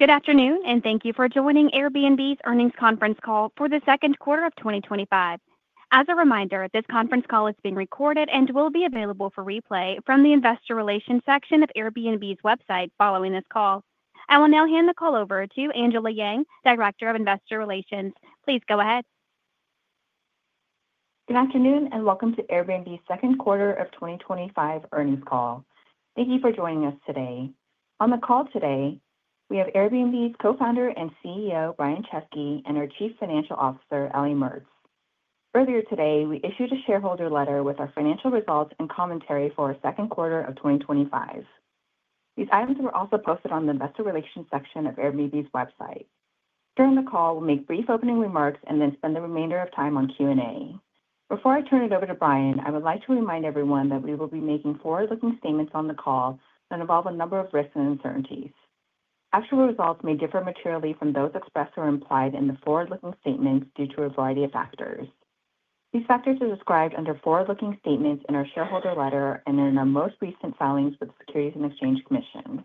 Good afternoon and thank you for joining Airbnb's earnings conference call for the second quarter of 2025. As a reminder, this conference call is being recorded and will be available for replay from the Investor Relations section of Airbnb's website. Following this call, I will now hand the call over to Angela Yang, Director of Investor Relations. Please go ahead. Good afternoon and welcome to Airbnb's second quarter of 2025 earnings call. Thank you for joining us today. On the call today we have Airbnb's Co-Founder and CEO Brian Chesky, and our Chief Financial Officer, Ellie Mertz. Earlier today, we issued a shareholder letter with our financial results and commentary for our second quarter of 2025. These items were also posted on the Investor Relations section of Airbnb's website. During the call, we'll make brief opening remarks and then spend the remainder of time on Q&A. Before I turn it over to Brian, I would like to remind everyone that we will be making forward-looking statements on the call and involve a number of risks and uncertainties. Actual results may differ materially from those expressed or implied in the forward-looking statements due to a variety of factors. These factors are described under forward-looking statements in our shareholder letter and in our most recent filings with the Securities and Exchange Commission.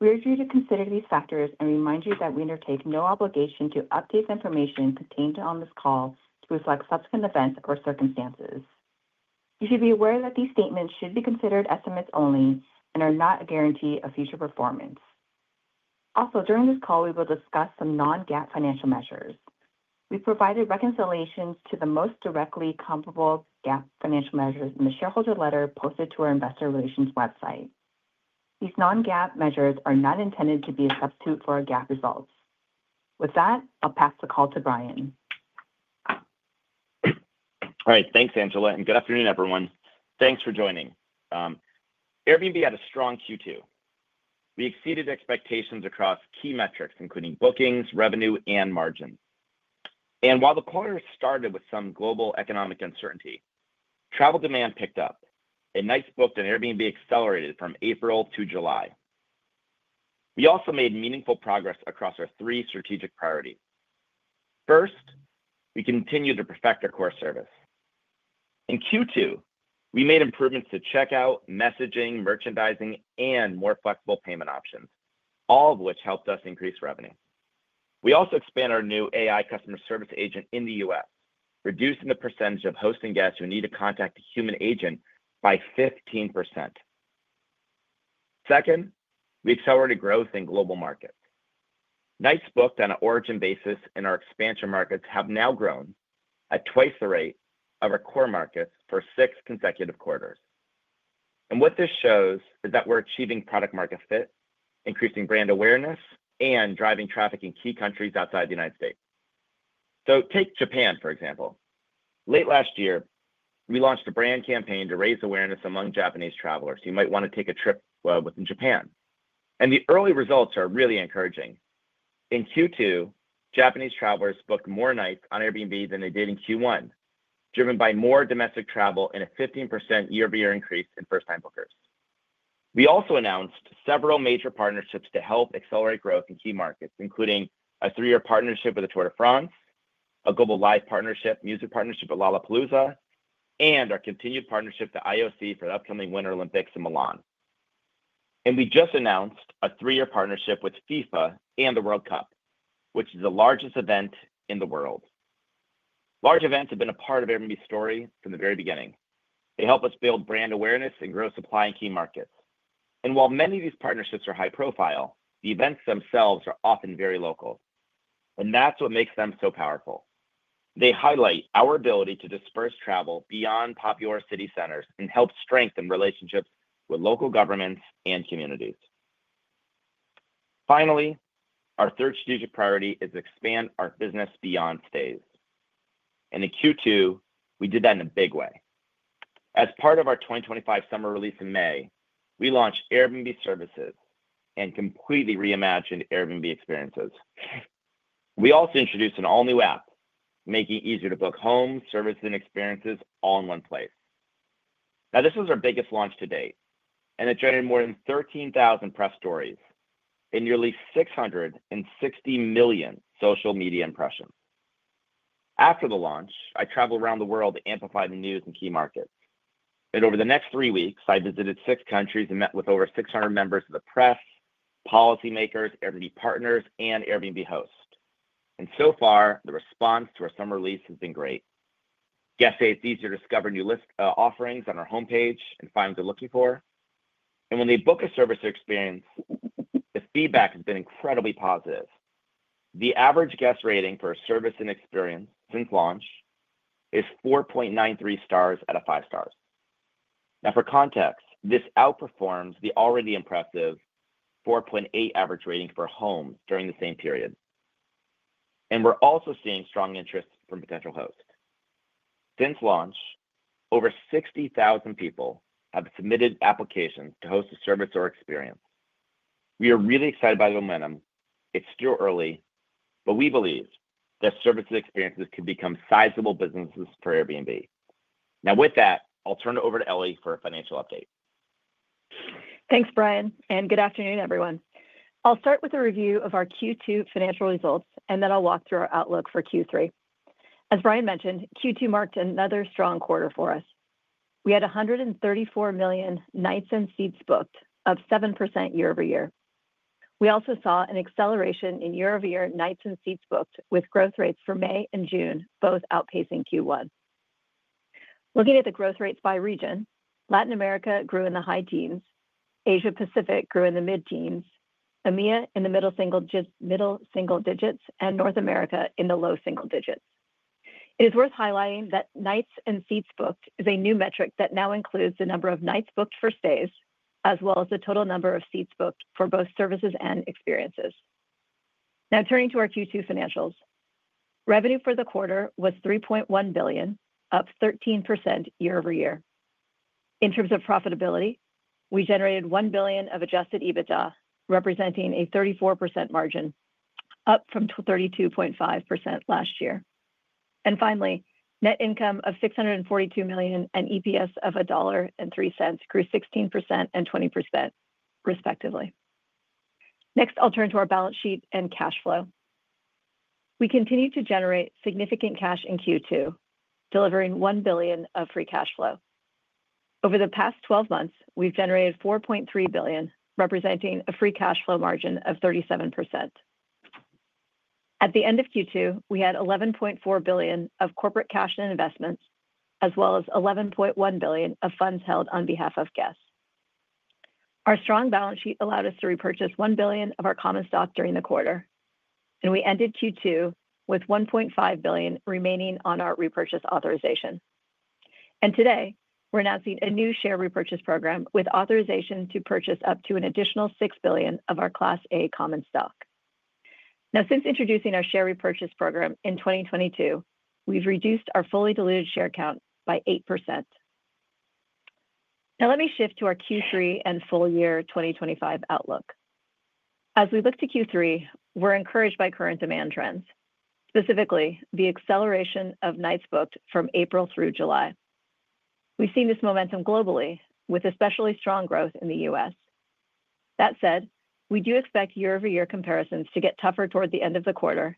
We urge you to consider these factors and remind you that we undertake no obligation to update the information contained on this call to reflect subsequent events or circumstances. You should be aware that these statements should be considered estimates only and are not a guarantee of future performance. Also during this call, we will discuss some non-GAAP financial measures. We provided reconciliations to the most directly comparable GAAP financial measures in the shareholder letter posted to our Investor Relations website. These non-GAAP measures are not intended to be a substitute for our GAAP results. With that, I'll pass the call to Brian. All right, thanks, Angela. Good afternoon, everyone. Thanks for joining. Airbnb had a strong Q2. We exceeded expectations across key metrics including bookings, revenue, and margin. While the quarter started with some global economic uncertainty, travel demand picked up and nights booked. Airbnb accelerated from April to July. We also made meaningful progress across our three strategic priorities. First, we continue to perfect our core service. In Q2, we made improvements to checkout, messaging, merchandising, and more flexible payment options, all of which helped us increase revenue. We also expanded our new AI customer service agent in the U.S., reducing the percentage of hosts and guests who need to contact a human agent by 15%. Second, we accelerated growth in global markets. Nights booked on an origin basis in our expansion markets have now grown at twice the rate of our core markets for six consecutive quarters. What this shows is that we're achieving product market fit, increasing brand awareness, and driving traffic in key countries outside the United States. Take Japan for example. Late last year we launched a brand campaign to raise awareness among Japanese travelers. You might want to take a trip within Japan and the early results are really encouraging. In Q2, Japanese travelers booked more nights on Airbnb than they did in Q1, driven by more domestic travel and a 15% year-over-year increase in first-time bookers. We also announced several major partnerships to help accelerate growth in key markets, including a three-year partnership with the Tour de France, a global live partnership, music partnership with Lollapalooza, and our continued partnership with the IOC for the upcoming Winter Olympics in Milan. We just announced a three-year partnership with FIFA and the World Cup, which is the largest event in the world. Large events have been a part of Airbnb's story from the very beginning. They help us build brand awareness and grow supply in key markets. While many of these partnerships are high profile, the events themselves are often very local and that's what makes them so powerful. They highlight our ability to disperse travel beyond popular city centers and help strengthen relationships with local governments and communities. Finally, our third strategic priority is to expand our business beyond stays. In Q2 we did that in a big way. As part of our 2025 summer release in May, we launched Airbnb Services and completely reimagined Airbnb Experiences. We also introduced an all new Airbnb app, making it easier to book homes, services, and experiences all in one place. This was our biggest launch to date, and it generated more than 13,000 press stories and nearly 660 million social media impressions. After the launch, I traveled around the world to amplify the news in key markets. Over the next three weeks, I visited six countries and met with over 600 members of the press, policymakers, Airbnb partners, and Airbnb hosts. The response to our summer release has been great. Guests can feature Discover new list offerings on our homepage and find what they're looking for, and when they book a service or experience, the feedback has been incredibly positive. The average guest rating for service and experience since launch is 4.93 stars out of 5 stars. For context, this outperforms the already impressive 4.8 average rating for homes during the same period, and we're also seeing strong interest from potential hosts. Since launch, over 60,000 people have submitted applications to host a service or experience. We are really excited by the momentum. It's still early, but we believe that service experiences could become sizable businesses for Airbnb. With that, I'll turn it over to Ellie for a financial update. Thanks, Brian and good afternoon everyone. I'll start with a review of our Q2 financial results and then I'll walk through our outlook for Q3. As Brian mentioned, Q2 marked another strong quarter for us. We had 134 million nights and seats booked, up 7% year-over-year. We also saw an acceleration in year-over-year nights and seats booked, with growth rates for May and June both outpacing Q1. Looking at the growth rates by region, Latin America grew in the high teens, Asia Pacific grew in the mid teens, EMEA in the middle single digits, and North America in the low single digits. It is worth highlighting that nights and seats booked is a new metric that now includes the number of nights booked for stays as well as the total number of seats booked for both services and experiences. Now turning to our Q2 financials, revenue for the quarter was $3.1 billion, up 13% year-over-year. In terms of profitability, we generated $1 billion of adjusted EBITDA, representing a 34% margin, up from 32.5% last year. Finally, net income of $642 million and EPS of $1.03 grew 16% and 20% respectively. Next, I'll turn to our balance sheet and cash flow. We continue to generate significant cash in Q2, delivering $1 billion of free cash flow. Over the past 12 months, we've generated $4.3 billion, representing a free cash flow margin of 37%. At the end of Q2, we had $11.4 billion of corporate cash and investments, as well as $11.1 billion of funds held on behalf of guests. Our strong balance sheet allowed us to repurchase $1 billion of our common stock during the quarter, and we ended Q2 with $1.5 billion remaining on our repurchase authorization. Today we're announcing a new share repurchase program with authorization to purchase up to an additional $6 billion of our Class A common stock. Since introducing our share repurchase program in 2022, we've reduced our fully diluted share count by 8%. Now let me shift to our Q3 and full year 2025 outlook. As we look to Q3, we're encouraged by current demand trends, specifically the acceleration of nights booked from April through July. We've seen this momentum globally, with especially strong growth in the U.S. That said, we do expect year-over-year comparisons to get tougher toward the end of the quarter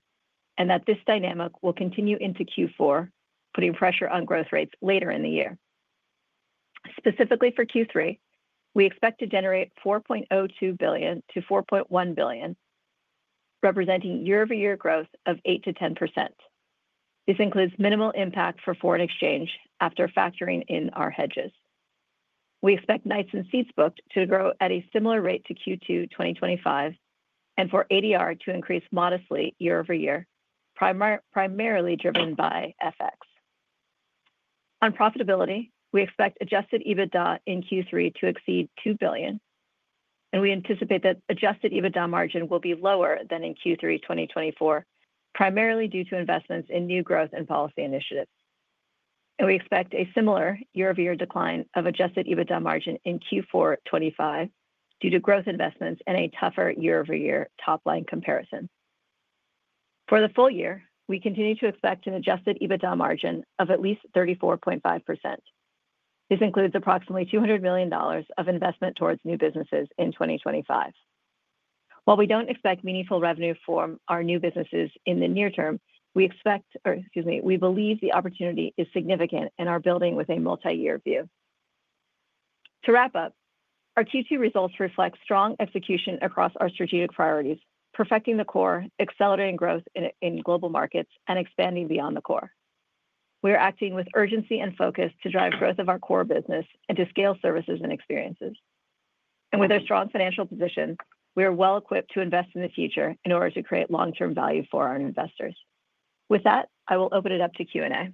and that this dynamic will continue into Q4, putting pressure on growth rates later in the year. Specifically for Q3, we expect to generate $4.02 billion-$4.1 billion, representing year-over-year growth of 8%-10%. This includes minimal impact for foreign exchange. After factoring in our hedges, we expect nights and seats booked to grow at a similar rate to Q2 2025 and for ADR to increase modestly year-over-year, primarily driven by FX. On profitability, we expect adjusted EBITDA in Q3 to exceed $2 billion, and we anticipate that adjusted EBITDA margin will be lower than in Q3 2024, primarily due to investments in new growth and policy initiatives. We expect a similar year-over-year decline of adjusted EBITDA margin in Q4 2025 due to growth investments and a tougher year-over-year top line comparison. For the full year, we continue to expect an adjusted EBITDA margin of at least 34.5%. This includes approximately $200 million of investment towards new businesses in 2025. While we don't expect meaningful revenue for our new businesses in the near term, we believe the opportunity is significant and are building with a multi-year view. To wrap up, our Q2 results reflect strong execution across our strategic priorities: perfecting the core, accelerating growth in global markets, and expanding beyond the core. We are acting with urgency and focus to drive growth of our core business and to scale services and experiences. With our strong financial position, we are well equipped to invest in the future in order to create long term value for our investors. With that, I will open it up to Q&A.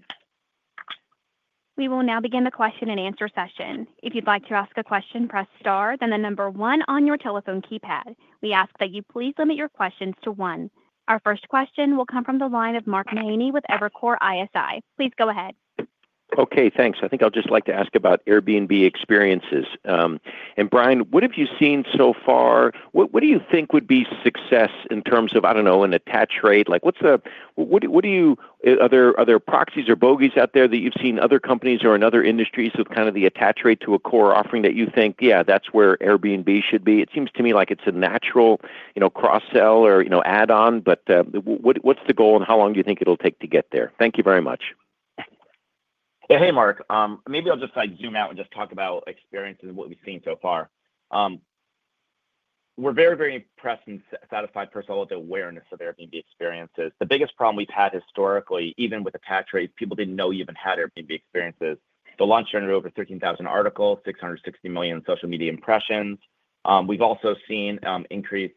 We will now begin the question and answer session. If you'd like to ask a question, press Star, then the number one on your telephone keypad. We ask that you please limit your questions to 1. Our first question will come from the line of Mark Mahaney with Evercore ISI. Please go ahead. Okay, thanks. I think I'll just like to ask about Airbnb Experiences and Brian, what have you seen so far? What do you think would be success in terms of, I don't know, an attach rate? Like what's the, what do you, other proxies or bogeys out there that you've seen other companies or other industries with kind of the attach rate to a core offering that you think, yeah, that's where Airbnb should be? It seems to me like it's a natural, you know, cross sell or, you know, add on. What's the goal and how long do you think it'll take to get there? Thank you very much. Hey, Mark, maybe I'll just, like, zoom out and just talk about Experiences and what we've seen so far. We're very, very impressed and satisfied, first of all, with the awareness of Airbnb Experiences. The biggest problem we've had historically, even with attach rates, people didn't know we even had Airbnb Experiences. The launch generated over 13,000 articles, 660 million social media impressions. We've also seen increased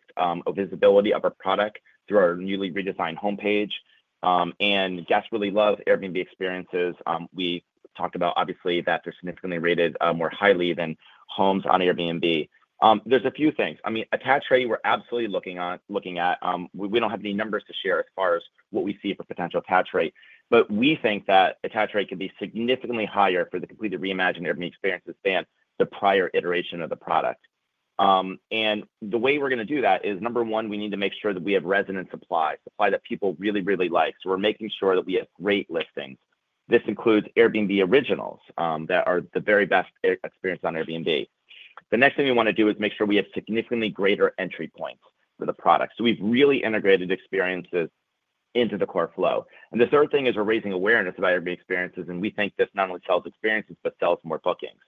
visibility of our product through our newly redesigned homepage, and guests really love Airbnb Experiences. We talked about, obviously, that they're significantly rated more highly than homes on Airbnb. There's a few things, I mean, attach rate we're absolutely looking at. We don't have any numbers to share as far as what we see for potential attach rates, but we think that attach rate can be significantly higher for the completed reimagining Experiences than the prior iteration of the product. The way we're going to do that is, number one, we need to make sure that we have resident supply, supply that people really, really like. We're making sure that we have rate listing. This includes Airbnb Originals that are the very best experience on Airbnb. The next thing we want to do is make sure we have significantly greater entry points for the product. We've really integrated Experiences into the core flow. The third thing is we're raising awareness about Airbnb Experiences, and we think this not only sells Experiences, but sells more bookings.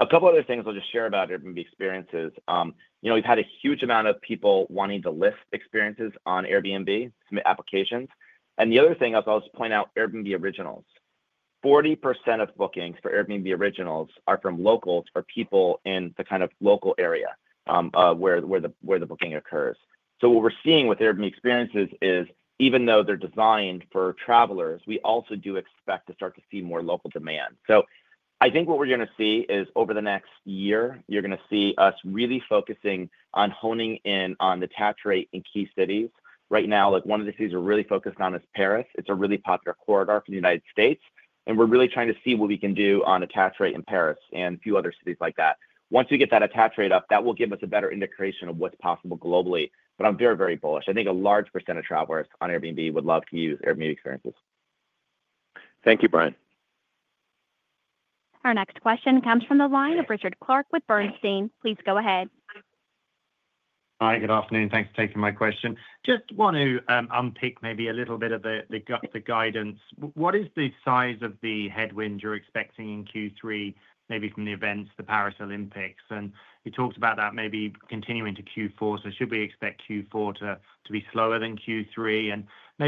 A couple other things I'll just share about Airbnb Experiences. We've had a huge amount of people wanting to list Experiences on Airbnb, submit applications, and the other thing, I'll just point out Airbnb Originals. 40% of bookings for Airbnb Originals are from locals or people in the kind of local area where the booking occurs. What we're seeing with Airbnb Experiences is even though they're designed for travelers, we also do expect to start to see more local demand. I think what we're going to see is over the next year, you're going to see us really focusing on honing in on the attach rate in key cities. Right now, one of the things we're really focused on is Paris. It's a really popular corridor for the United States, and we're really trying to see what we can do on attach rate in Paris and a few other cities like that. Once you get that attach rate up, that will give us a better indication of what's possible globally. I'm very, very bullish. I think a large percentage of travelers on Airbnb would love to use Airbnb Experiences. Thank you, Brian. Our next question comes from the line of Richard Clark with Bernstein. Please go ahead. Hi, good afternoon. Thanks for taking my question. Just want to unpick maybe a little bit of the gutter guidance. What is the size of the headwind you're expecting in Q3, maybe from the events the Paris Olympics, and we talked about that may continue into Q4. Should we expect Q4 to be slower than Q3? In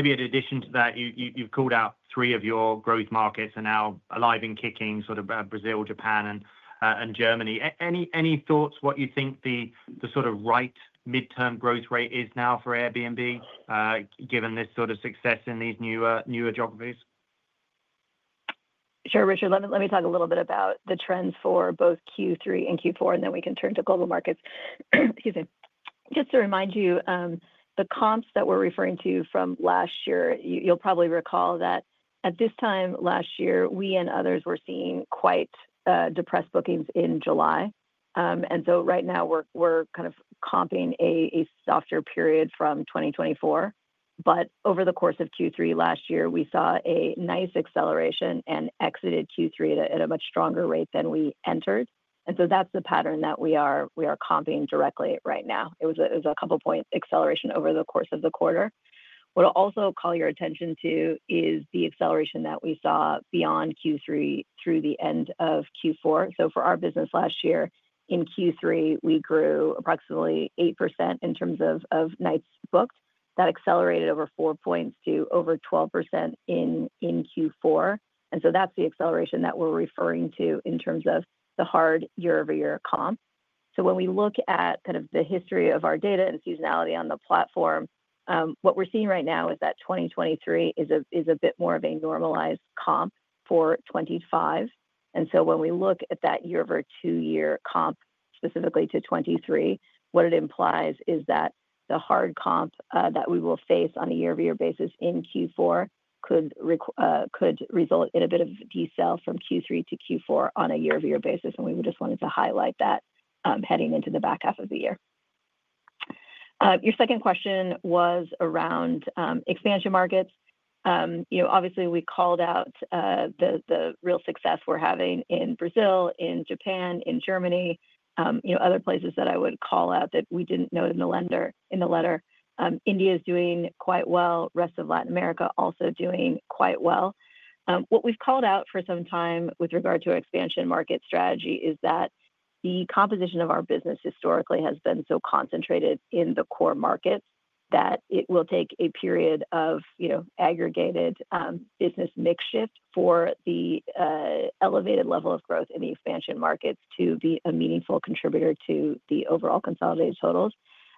addition to that, you've called out 3 of your growth markets and now alive and kicking, sort of Brazil, Japan, and Germany. Any thoughts what you think the sort of right midterm growth rate is now for Airbnb given this sort of success in these newer geographies? Sure, Richard, let me talk a little bit about the trends for both Q3 and Q4 and then we can turn to global markets. Just to remind you, the comps that we're referring to from last year, you'll probably recall that at this time last year we and others were seeing quite depressed bookings in July. Right now we're kind of comping a softer period from 2024. Over the course of Q3 last year we saw a nice acceleration and exited Q3 at a much stronger rate than we entered. That's the pattern that we are comping directly right now. It was a couple of point acceleration over the course of the quarter. What I'll also call your attention to is the acceleration that we saw beyond Q3 through the end of Q4. For our business last year in Q3 we grew approximately 8% in terms of nights booked. That accelerated over 4 points to over 12% in Q4. That's the acceleration that we're referring to in terms of the hard year-over-year comp. When we look at kind of the history of our data and seasonality on the platform, what we're seeing right now is that 2023 is a bit more of a normalized comp for 2025. When we look at that year over two year comp, specifically to 2023, what it implies is that the hard comp that we will face on a year-over-year basis in Q4 could result in a bit of decel from Q3 to Q4 on a year-over-year basis. We just wanted to highlight that heading into the back half of the year. Your second question was around expansion markets. Obviously we called out the real success we're having in Brazil, in Japan, in Germany. Other places that I would call out that we didn't note in the letter: India is doing quite well. Rest of Latin America also doing quite well. What we've called out for some time with regard to expansion market strategy is that the composition of our business historically has been so concentrated in the core market that it will take a period of aggregated business mix shift for the elevated level of growth in the expansion markets to be a meaningful contributor to the overall consolidated totals.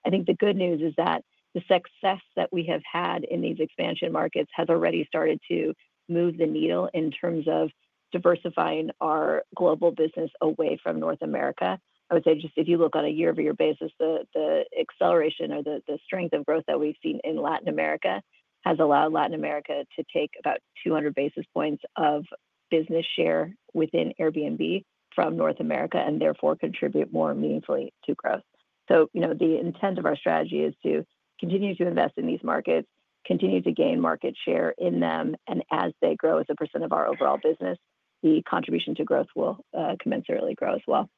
The good news is that the success that we have had in these expansion markets has already started to move the needle in terms of diversifying our global business away from North America. I would say just if you look on a year-over-year basis, the acceleration or the strength of growth that we've seen in Latin America has allowed Latin America to take about 200 basis points of business share within Airbnb from North America and therefore contribute more meaningfully to growth. The intent of our strategy is to continue to invest in these markets, continue to gain market share in them, and as they grow as a percent of our overall business, the contribution to growth will commensurately grow as well.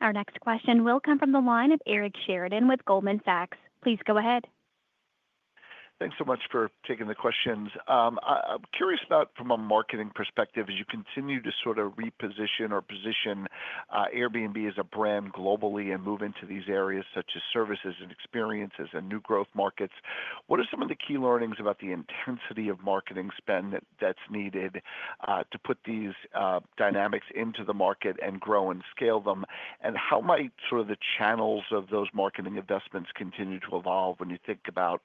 Our next question will come from the line of Eric Sheridan with Goldman Sachs. Please go ahead. Thanks so much for taking the questions. I'm curious about, from a marketing perspective, as you continue to sort of reposition or position Airbnb as a brand globally and move into these areas such as services and experiences and new growth markets, what are some of the key learnings about the intensity of marketing spend that's needed to put these dynamics into the market and grow and scale them? How might the channels of those marketing investments continue to evolve? When you think about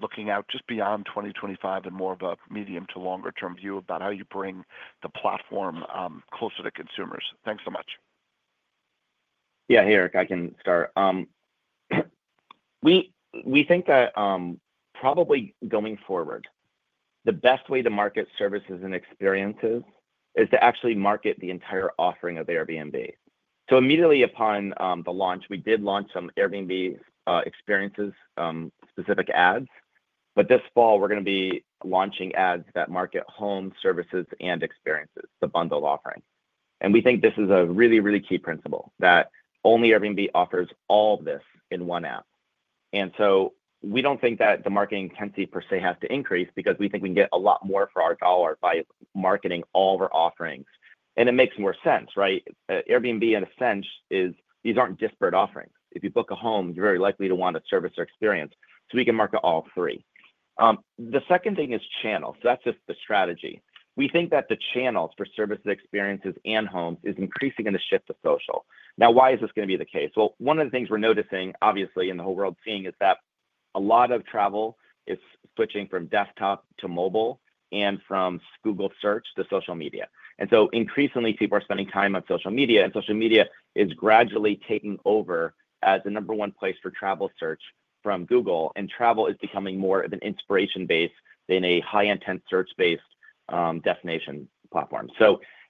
looking out just beyond 2025 and more of a medium to longer term view about how you bring the platform closer to consumers. Thanks so much. Yeah. Hey, Eric, I can start. We think that probably going forward, the best way to market services and experiences is to actually market the entire offering of Airbnb. Immediately upon the launch, we did launch some Airbnb Experiences specific ads, but this fall we're going to be launching ads that market home services and experiences, the bundle offering. We think this is a really, really key principle that only Airbnb offers all this in one app. We don't think that the marketing tendency per se has to increase because we think we can get a lot more for our dollar by marketing all of our offerings. It makes more sense, right? Airbnb, in a sense, is these aren't disparate offerings. If you book a home, you're very likely to want a service or experience, so we can market all three. The second thing is channel. That's the strategy. We think that the channels for services, experiences, and home is increasing in the shift of social. Now, why is this going to be the case? One of the things we're noticing, obviously, and the whole world is seeing, is that a lot of travel is switching from desktop to mobile and from Google search to social media. Increasingly, people are spending time on social media, and social media is gradually taking over as the number one place for travel search from Google. Travel is becoming more of an inspiration-based than a high intent search-based destination platform.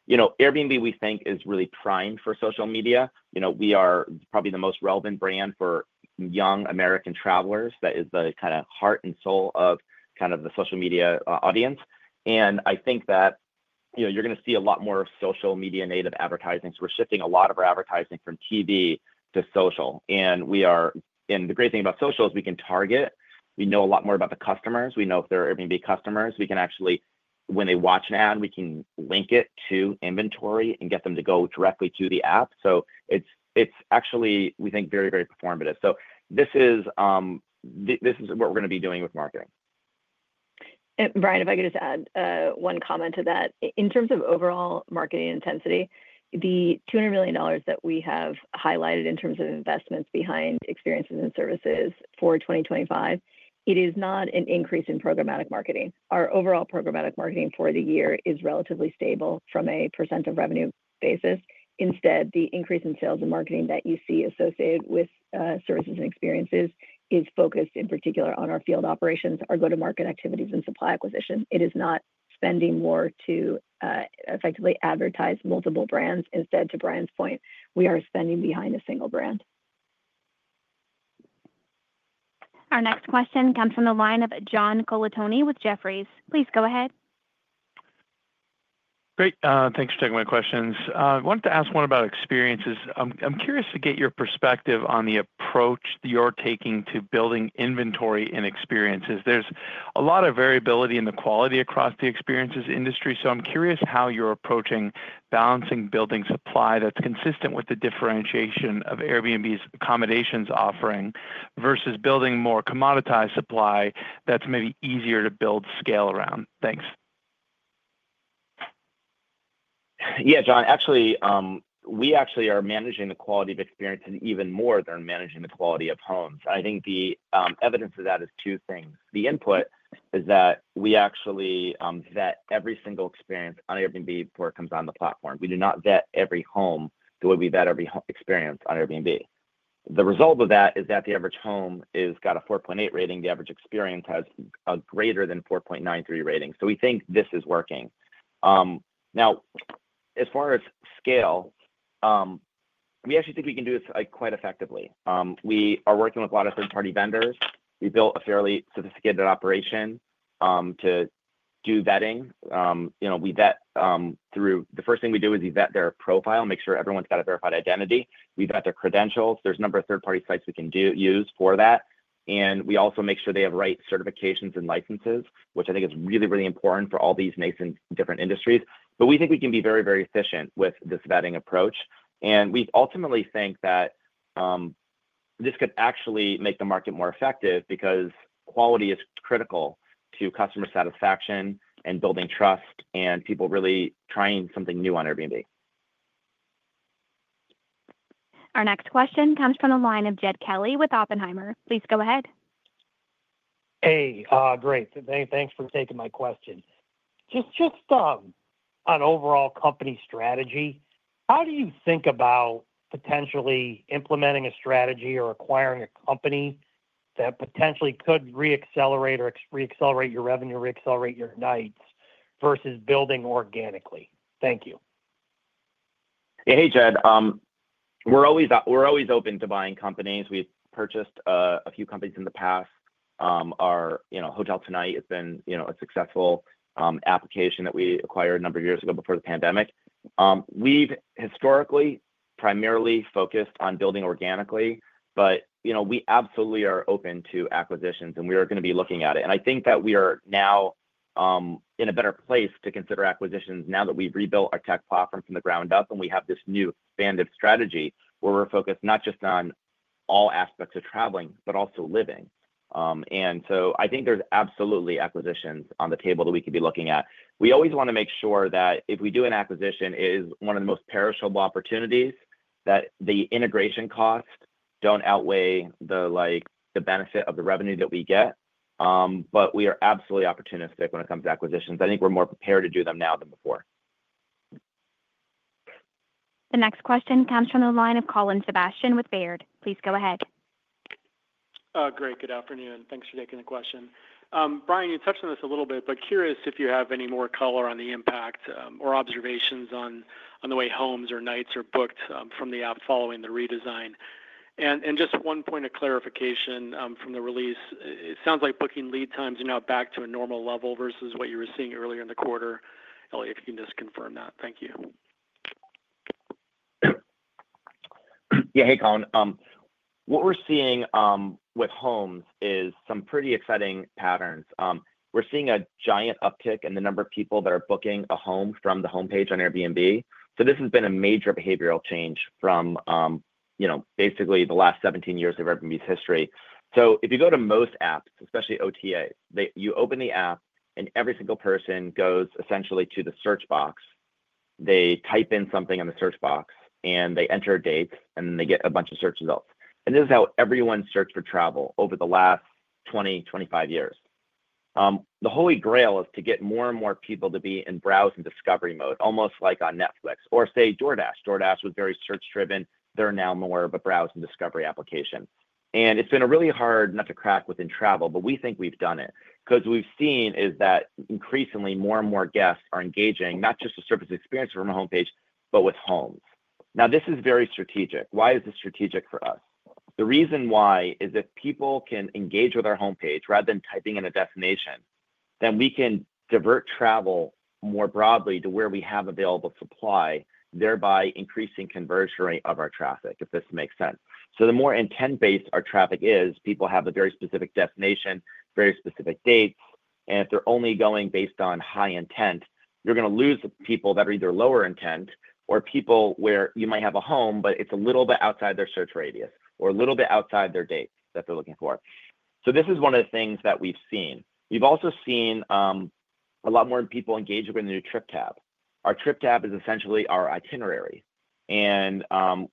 Airbnb, we think, is really primed for social media. We are probably the most relevant brand for young American travelers. That is the kind of heart and soul of the social media audience. I think that you're going to see a lot more of social media native advertising. We're shifting a lot of our advertising from TV to social. We are. The great thing about social is we can target, we know a lot more about the customers. We know if they're Airbnb customers, we can actually, when they watch an ad, link it to inventory and get them to go directly to the app. It's actually, we think, very, very performative. This is what we're going to be doing with marketing. Brian, if I could just add one comment to that. In terms of overall marketing intensity, the $200 million that we have highlighted in terms of investments behind experiences and services for 2020, it is not an increase in programmatic marketing. Our overall programmatic marketing for the year is relatively stable from a % of revenue basis. Instead, the increase in sales and marketing that you see associated with services and experiences is focused in particular on our field operations, our go-to-market activities, and supply acquisition. It is not spending more to effectively advertise multiple brands. Instead, to Brian's point, we are spending behind a single brand. Our next question comes from the line of John Colantuori with Jefferies. Please go ahead. Great. Thanks for taking my questions. I wanted to ask one about experiences. I'm curious to get your perspective on the approach you're taking to building inventory and experiences, there's a lot of variability in the quality across the experiences industry. I'm curious how you're approaching balancing building supply that's consistent with the differentiation of Airbnb's accommodations offering versus building more commoditized supply that's maybe easier to build scale around. Thanks. Yeah, John, we actually are managing the quality of experiences even more than managing the quality of homes. I think the evidence of that is two things. The input is that we actually vet every single experience on Airbnb before it comes on the platform. We do not vet every home the way we vet every experience on Airbnb. The result of that is that the average home has got a 4.8 rating. The average experience has a greater than 4.93 rating. We think this is working. Now as far as scale, we actually think we can do this quite effectively. We are working with a lot of third party vendors. We built a fairly sophisticated operation to do vetting. We vet through. The first thing we do is vet their profile, make sure everyone's got a verified identity, we've got their credentials. There's a number of third party sites we can use for that. We also make sure they have the right certifications and licenses, which I think is really, really important for all these nascent different industries. We think we can be very, very efficient with this vetting approach. We ultimately think that this could actually make the market more effective because quality is critical to customer satisfaction and building trust and people really trying something new on Airbnb. Our next question comes from the line of Jed Kelly with Oppenheimer. Please go ahead. Hey, great. Thanks for taking my question. Just on overall company strategy, how do you think about potentially implementing a strategy or acquiring a company that potentially could reaccelerate your revenue, reaccelerate your nights versus building organically. Thank you. Hey, Jed. We're always open to buying companies. We've purchased a few companies in the past. HotelTonight has been a successful application that we acquired a number of years ago before the pandemic. We've historically primarily focused on building organically, but we absolutely are open to acquisitions and we are going to be looking at it. I think that we are now in a better place to consider acquisitions now that we've rebuilt our tech platform from the ground up and we have this new band of strategy where we're focused not just on all aspects of traveling, but also living. I think there's absolutely acquisitions on the table that we could be looking at. We always want to make sure that if we do an acquisition, it is one of the most perishable opportunities, that the integration costs don't outweigh the benefit of the revenue that we get. We are absolutely opportunistic when it comes to acquisitions. I think we're more prepared to do them now than before. The next question comes from the line of Colin Sebastian with Baird. Please go ahead. Great. Good afternoon. Thanks for taking the question. Brian, you touched on this a little bit, but curious if you have any more color on the impact or observations on the way homes or nights are booked from the app following the redesign. Just one point of clarification from the release, it sounds like booking lead times are now back to a normal level versus what you were seeing earlier in the quarter. Ellie, if you can just confirm that. Thank you. Yeah. Hey, Colin, what we're seeing with homes is some pretty exciting patterns. We're seeing a giant uptick in the number of people that are booking a home from the homepage on Airbnb. This has been a major behavioral change from basically the last 17 years of Airbnb's history. If you go to most apps, especially OTA, you open the app and every single person goes essentially to the search box. They type in something in the search box and they enter dates and they get a bunch of search results. This is how everyone searched for travel over the last 20, 25 years. The holy grail is to get more and more people to be in browse and discovery mode, almost like on Netflix or say DoorDash. DoorDash was search driven. They're now more of a browse and discovery application. It's been a really hard nut to crack within travel, but we think we've done it because what we've seen is that increasingly more and more guests are engaging not just the surface experience from a homepage, but with homes. This is very strategic. Why is this strategic for us? The reason why is if people can engage with our homepage rather than typing in a destination, then we can divert travel more broadly to where we have available supply, thereby increasing conversion rate of our traffic, if this makes sense. The more intent based our traffic is, people have a very specific destination, very specific dates, and if they're only going based on high intent, you're going to lose people that are either lower intent or people where you might have a home, but it's a little bit outside their search radius or a little bit outside their date that they're looking for. This is one of the things that we've seen. You've also seen a lot more people engage with a new trip tab. Our trip tab is essentially our itinerary and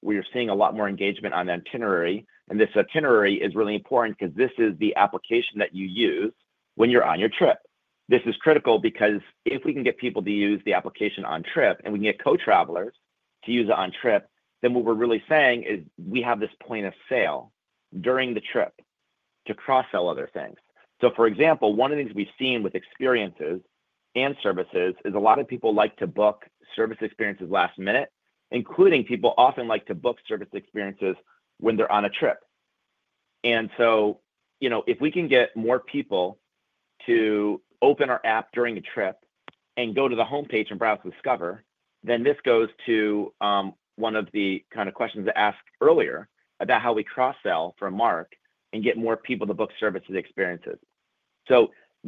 we are seeing a lot more engagement on itinerary. This itinerary is really important because this is the application that you use when you're on your trip. This is critical because if we can get people to use the application on trip and we can get co-travelers to use it on trip, then what we're really saying is we have this point of sale during the trip to cross-sell other things. For example, one of the things we've seen with Airbnb Experiences and Airbnb Services is a lot of people like to book service experiences last minute, including people often like to book service experiences when they're on a trip. If we can get more people to open our app during a trip and go to the homepage and browse Discover, this goes to one of the kind of questions asked earlier about how we cross-sell for Mark and get more people to book services experiences. There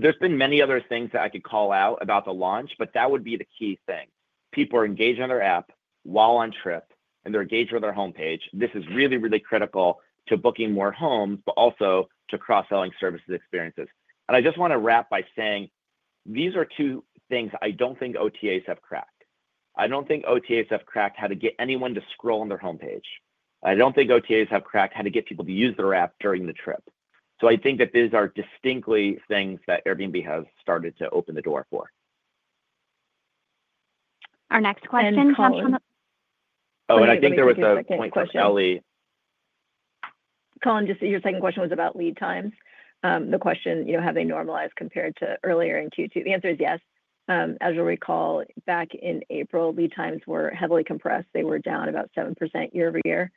have been many other things that I could call out about the launch, but that would be the key thing. People are engaging on their app while on trip and they're engaged with their homepage. This is really, really critical to booking more homes, but also to cross-selling services experiences. I just want to wrap by saying these are two things. I don't think OTAs have cracked. I don't think OTAs have cracked how to get anyone to scroll on their homepage. I don't think OTAs have cracked how to get people to use their app during the trip. I think that these are distinctly things that Airbnb has started to open the door for. Our next question. I think there was a point, Ellie. Colin, your second question was about lead times. The question, have they normalized compared to earlier in Q2? The answer is yes. As you'll recall, back in April, lead times were heavily compressed. They were down about 7% year-over-year.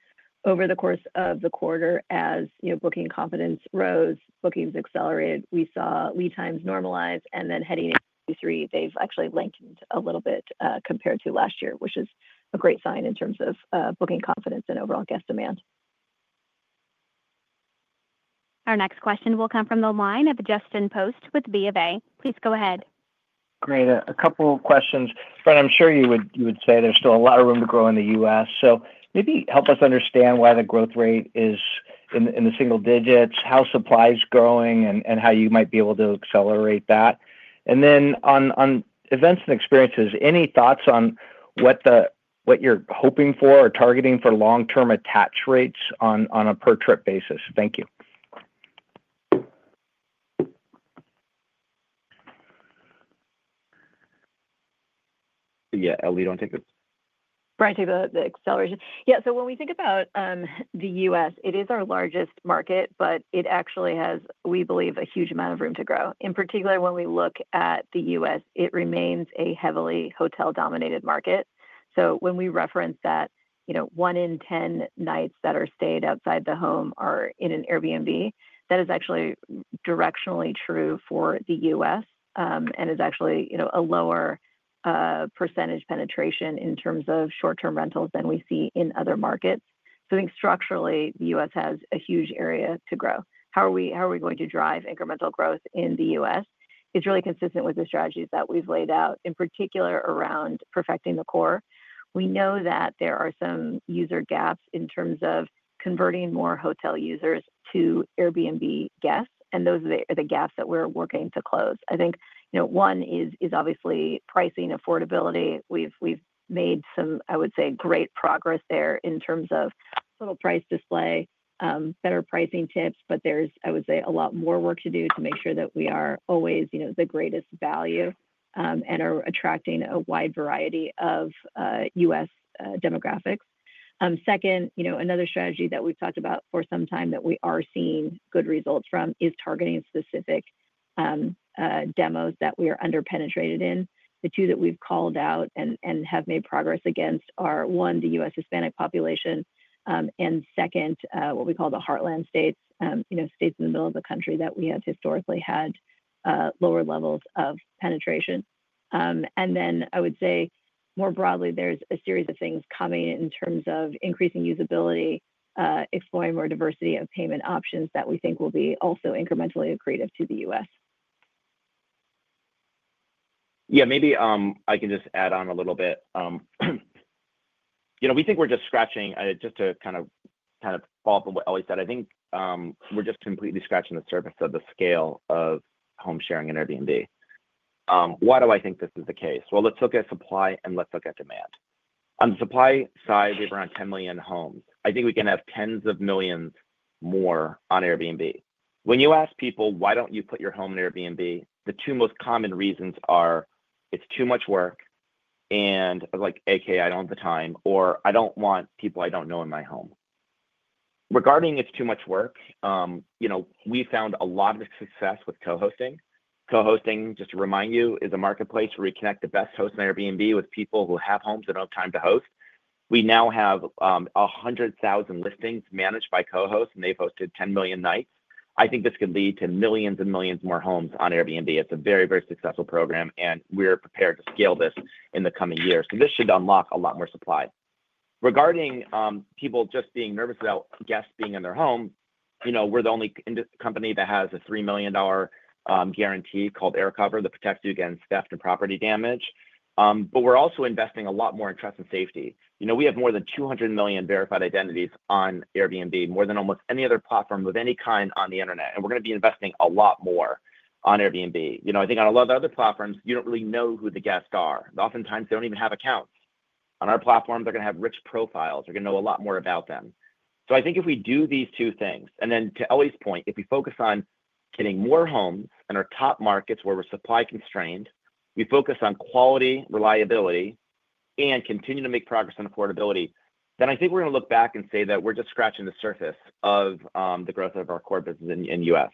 Over the course of the quarter, as booking confidence rose, bookings accelerated, we saw lead times normalize. Heading into Q3, they've actually lengthened a little bit compared to last year, which is a great sign in terms of booking confidence and overall guest demand. Our next question will come from the line of Justin Post with B of A. Please go ahead. Great. A couple of questions, Brent. I'm sure you would say there's still a lot of room to grow in the U.S. Maybe help us understand why the growth rate is in the single digits, how supply is growing, and how you might be able to accelerate that. On events and experiences, any thoughts on what you're hoping for or targeting for long term attach rates on a per trip basis? Thank you. Yeah, Ellie, don't take the. Brian, take the acceleration. Yeah. When we think about the U.S., it is our largest market, but it actually has, we believe, a huge amount of room to grow. In particular, when we look at the U.S., it remains a heavily hotel-dominated market. When we reference that, you know, one in 10 nights that are stayed outside the home are in an Airbnb, that is actually directionally true for the U.S. and is actually a lower % penetration in terms of short-term rentals than we see in other markets. I think structurally the U.S. has a huge area to grow. How are we going to drive incremental growth in the U.S.? It's really consistent with the strategies that we've laid out, in particular around perfecting the core. We know that there are some user gaps in terms of converting more hotel users to Airbnb guests, and those are the gaps that we're working to close. I think one is obviously pricing affordability. We've made some, I would say, great progress there in terms of little price display, better pricing tips. There's, I would say, a lot more work to do to make sure that we are always the greatest value and are attracting a wide variety of U.S. demographics. Another strategy that we've talked about for some time that we are seeing good results from is targeting specific demos that we are underpenetrated in. The two that we've called out and have made progress against are, one, the U.S. Hispanic population, and second, what we call the heartland states, you know, states in the middle of the country that we have historically had lower levels of penetration. I would say more broadly, there's a series of things coming in terms of increasing usability, exploring more diversity of payment options that we think will be also incrementally accretive to the U.S. Maybe I can just add on a little bit. We think we're just scratching, just to kind of follow up on what Ellie said. I think we're just completely scratching the surface of the scale of home sharing and Airbnb. Why do I think this is the case? Let's look at supply and let's look at demand. On the supply side, we have around 10 million homes. I think we can have tens of millions more on Airbnb. When you ask people why don't you put your home in Airbnb, the two most common reasons are it's too much work, like, AKA I don't have the time, or I don't want people I don't know in my home. Regarding it's too much work, we found a lot of success with co-hosting. Co-hosting, just to remind you, is a marketplace where we connect the best host in Airbnb with people who have homes and have time to host. We now have 100,000 listings managed by co-host and they posted 10 million nights. I think this could lead to millions and millions more homes on Airbnb. It's a very, very successful program and we're prepared to scale this in the coming years. This should unlock a lot more supply. Regarding people just being nervous about guests being in their home, we're the only company that has a $3 million guarantee called Air Cover that protects you against theft and property damage. We're also investing a lot more in trust and safety. We have more than 200 million verified identities on Airbnb, more than almost any other platform of any kind on the Internet. We're going to be investing a lot more on Airbnb. I think on a lot of other platforms, you don't really know who the guests are. Oftentimes, they don't even have accounts. On our platform, they're going to have rich profiles. You're going to know a lot more about them. I think if we do these two things, and then to Ellie's point, if we focus on getting more homes in our top markets where we're supply constrained, we focus on quality, reliability, and continue to make progress on affordability, then I think we're going to look back and say that we're just scratching the surface of the growth of our core business in the U.S.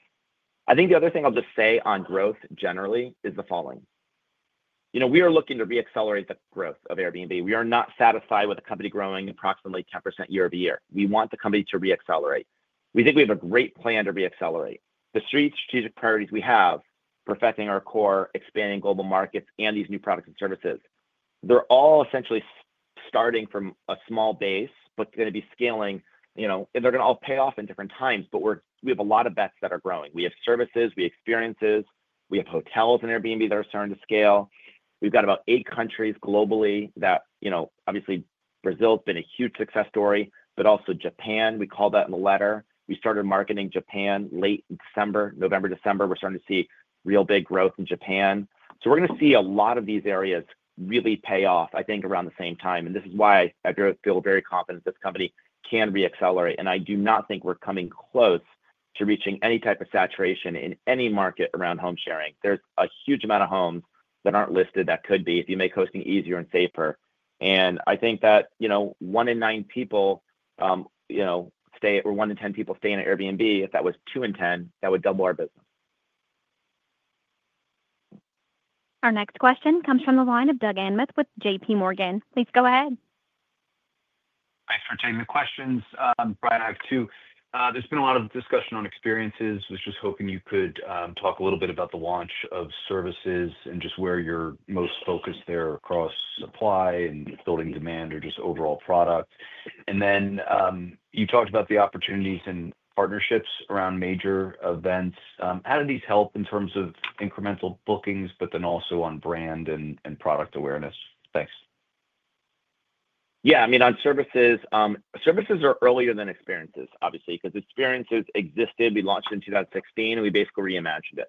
I think the other thing I'll just say on growth generally is the following. We are looking to reaccelerate the growth of Airbnb. We are not satisfied with the company growing approximately 10% year-over-year. We want the company to reaccelerate. We think we have a great plan to re-accelerate the three strategic priorities we have: perfecting our core, expanding global markets, and these new products and services. They're all essentially starting from a small base, but going to be scaling. They're going to all pay off in different times. We have a lot of bets that are growing. We have services, we have experiences, we have hotels and Airbnb that are starting to scale. We've got about eight countries globally. Obviously, Brazil has been a huge success story, but also Japan. We call that in the letter. We started marketing Japan late November, December. We're starting to see real big growth in Japan. We are going to see a lot of these areas really pay off, I think, around the same time. This is why I feel very confident that the company can re-accelerate. I do not think we're coming close to reaching any type of saturation in any market around home sharing. There's a huge amount of homes that aren't listed that could be if you make hosting easier and safer. I think that 1 in 9 people stay, or 1 in 10 people stay in an Airbnb. If that was 2 in 10, that would double our business. Our next question comes from the line of Doug Anmuth with JP Morgan. Please go ahead. Thanks for taking the questions, Brian. I have two. There's been a lot of discussion on experiences. Was just hoping you could talk a little bit about the launch of services and just where you're most focused there, across supply and building demand or just overall product. You talked about the opportunities and partnerships around major events. How do these help in terms of incremental bookings, but then also on brand and product awareness. Thanks. Yeah, I mean, on services, services are earlier than experiences, obviously, because experiences existed. We launched in 2016 and we basically reimagined it.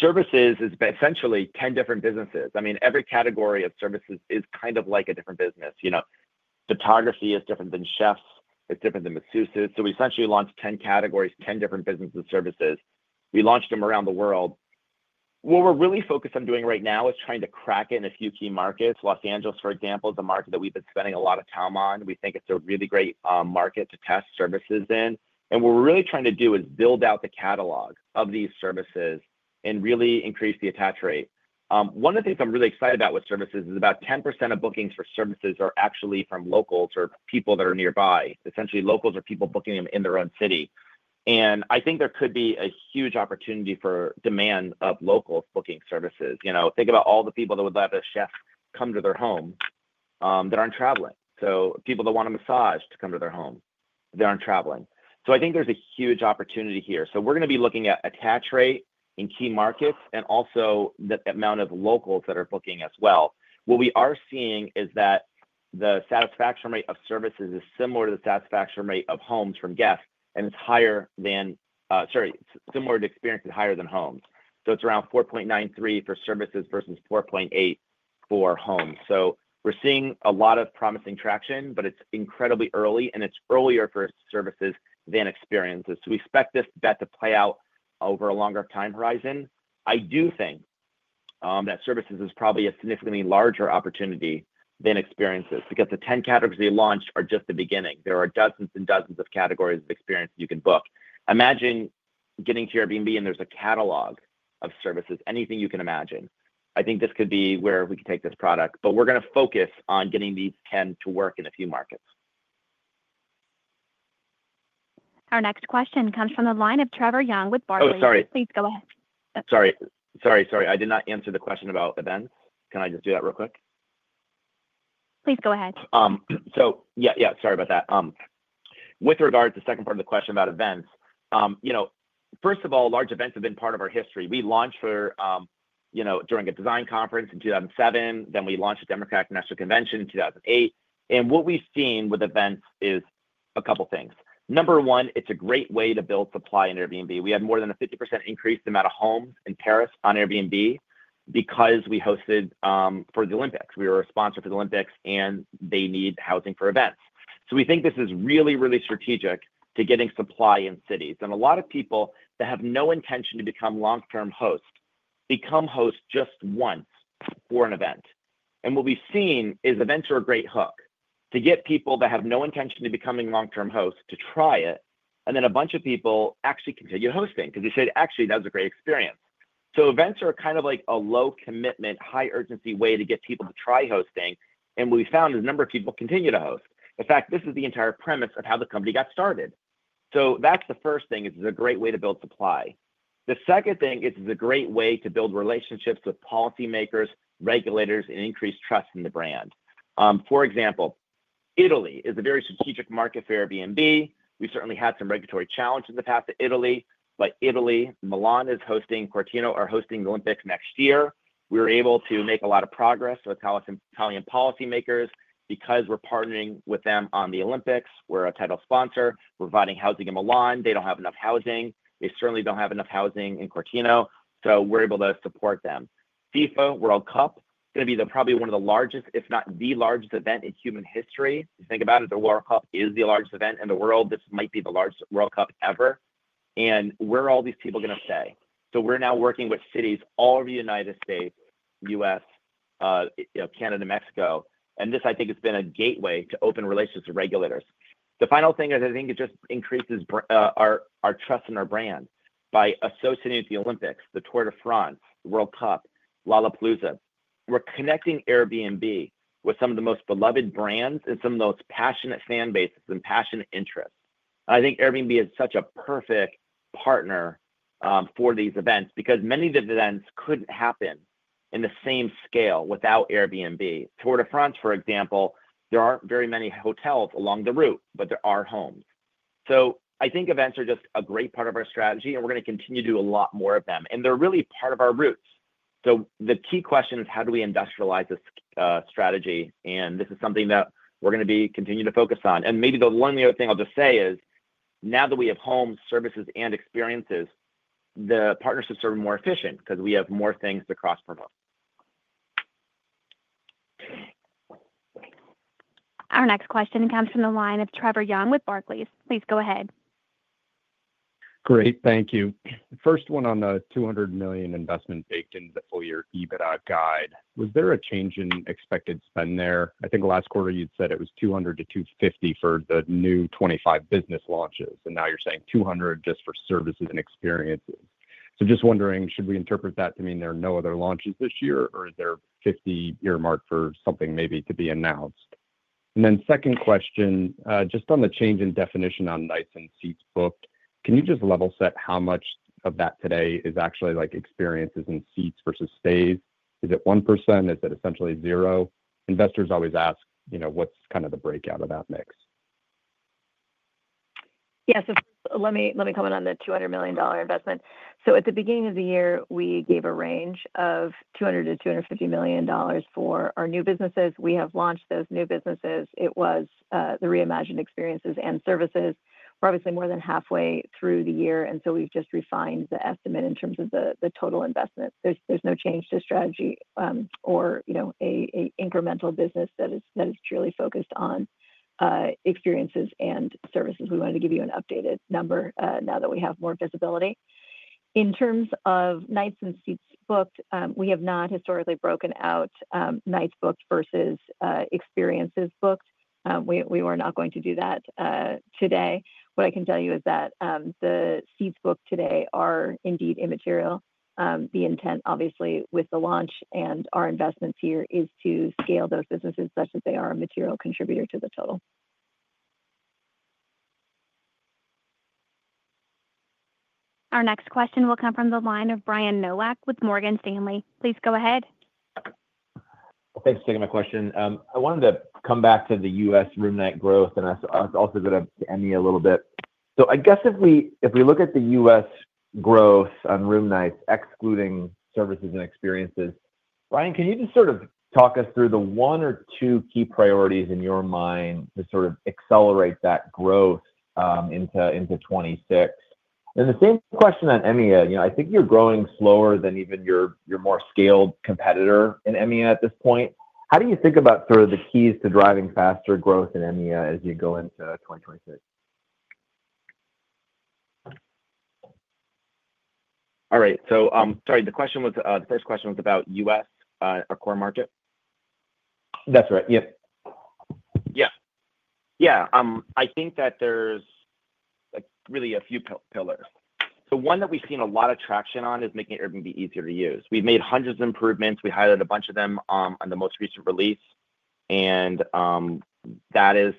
Services is essentially 10 different businesses. Every category of services is kind of like a different business. You know, photography is different than chefs. It's different than massage. We essentially launched 10 categories, 10 different businesses, services. We launched them around the world. What we're really focused on doing right now is trying to crack in a few key markets. Los Angeles, for example, is a market that we've been spending a lot of time on. We think it's a really great market to test services in. What we're really trying to do is build out the catalog of these services and really increase the attach rate. One of the things I'm really excited about with services is about 10% of bookings for services are actually from locals or people that are nearby. Essentially, locals are people booking them in their own city. I think there could be a huge opportunity for demand of local booking services. Think about all the people that would let a chef come to their home that aren't traveling. People that want a massage to come to their home, they aren't traveling. I think there's a huge opportunity here. We're going to be looking at attach rate in key markets and also the amount of locals that are booking as well. What we are seeing is that the satisfaction rate of services is similar to the satisfaction rate of homes from guests and it's higher than—sorry, similar to experiences, higher than homes. It's around 4.93 for services versus 4.8 for homes. We're seeing a lot of promising traction, but it's incredibly early and it's earlier for services than experiences. We expect this bet to play out over a longer time horizon. I do think that services is probably a significantly larger opportunity than experiences because the 10 categories we launched are just the beginning. There are dozens and dozens of categories of experience you can book. Imagine getting to Airbnb and there's a catalog, services, anything you can imagine. I think this could be where we could take this product. We're going to focus on getting these 10 to work in a few markets. Our next question comes from the line of Trevor Young with Barclays. Oh, sorry, please go ahead. Sorry, I did not answer the question about events. Can I just do that real quick? Please go ahead. Yeah, sorry about that. With regard to the second part of the question about events, first of all, large events have been part of our history. We launched for, you know, during a design conference in 2007, then we launched at the Democratic National Convention in 2008. What we've seen with events is a couple things. Number one, it's a great way to build supply in Airbnb. We have more than a 50% increase in the amount of homes in Paris on Airbnb because we hosted for the Olympics. We were a sponsor for the Olympics and they need housing for events. We think this is really, really strategic to getting supply in cities. A lot of people that have no intention to become long term hosts become hosts just once for an event. What we've seen is events are a great hook to get people that have no intention of becoming long term hosts to try it. A bunch of people actually continue hosting because they said actually that was a great experience. Events are kind of like a low commitment, high urgency way to get people to try hosting. We found a number of people continue to host. In fact, this is the entire premise of how the company got started. That's the first thing, it's a great way to build supply. The second thing is it's a great way to build relationships with policymakers, regulators, and increase trust in the brand. For example, Italy is a very strategic market for Airbnb. We've certainly had some regulatory challenges in the path to Italy, but Italy, Milan is hosting, Cortina are hosting the Olympics next year. We were able to make a lot of progress with Italian policymakers because we're partnering with them on the Olympics. We're a title sponsor providing housing in Milan. They don't have enough housing. They certainly don't have enough housing in Cortina. We're able to support them. FIFA World Cup is going to be probably one of the largest, if not the largest, events in human history. Think about it. The World Cup is the largest event in the world. This might be the largest World Cup ever. Where are all these people going to stay? We're now working with cities all over the U.S., Canada, Mexico, and this, I think, has been a gateway to open relations with regulators. The final thing is, I think it just increases our trust in our brand by associating with the Olympics, the Tour de France, World Cup, Lollapalooza. We're connecting Airbnb with some of the most beloved brands and some of the most passionate fan bases and passion interest. I think Airbnb is such a perfect partner for these events because many of the events couldn't happen in the same scale without Airbnb. Tour de France, for example. There aren't very many hotels along the route, but there are homes. I think events are just a great part of our strategy and we're going to continue to do a lot more of them and they're really part of our roots. The key question is how do we industrialize this strategy? This is something that we're going to continue to focus on. Maybe the one thing I'll just say is now that we have homes, services, and experiences, the partnerships are more efficient because we have more things to cross promote. Our next question comes from the line of Trevor Young with Barclays. Please go ahead. Great, thank you. First one on the $200 million investment baked in the full year EBITDA guide. Was there a change in expected spend there? I think last quarter you said it was $200 million-$250 million for the new 2025 business launches and now you're saying $200 million just for services and experiences. Just wondering, should we interpret that to mean there are no other launches this year, or is there $50 million earmarked for something maybe to be announced? Second question, just on the change in definition on nights and seats booked. Can you just level set how much of that today is actually like experiences and seats versus stays? Is it 1%? Is it essentially zero? Investors always ask, you know, what's kind of the breakout of that mix. Yes, let me comment on the $200 million investment. At the beginning of the year, we gave a range of $200 million-$250 million for our new businesses. We have launched those new businesses. It was the reimagined experiences and services. We're obviously more than halfway through the year, and we've just refined the estimate in terms of the total investment. There's no change to strategy or incremental business that is purely focused on experiences and services. We wanted to give you an updated number now that we have more visibility in terms of nights and seats booked. We have not historically broken out nights booked versus experiences booked. We were not going to do that today. What I can tell you is that the seats booked today are indeed immaterial. The intent, obviously, with the launch and our investments here, is to scale those businesses so that they are a material contributor to the total. Our next question will come from the line of Brian Nowak with Morgan Stanley. Please go ahead. Thanks for taking my question. I wanted to come back to the U.S. Room Night growth and also go to EMEA a little bit. If we look at the U.S. growth on room nights, excluding services and experiences, Brian, can you just sort of talk us through the one or two key priorities in your mind to sort of accelerate that growth into 2026? The same question on EMEA. I think you're growing slower than even your more scaled competitor in EMEA at this point. How do you think about the keys to driving faster growth in EMEA as you go into 2023? The first question was about U.S., our core market. That's right, yes. I think that there's really a few pillars. The one that we've seen a lot of traction on is making Airbnb easier to use. We've made hundreds of improvements. We highlighted a bunch of them on the most recent release, and that has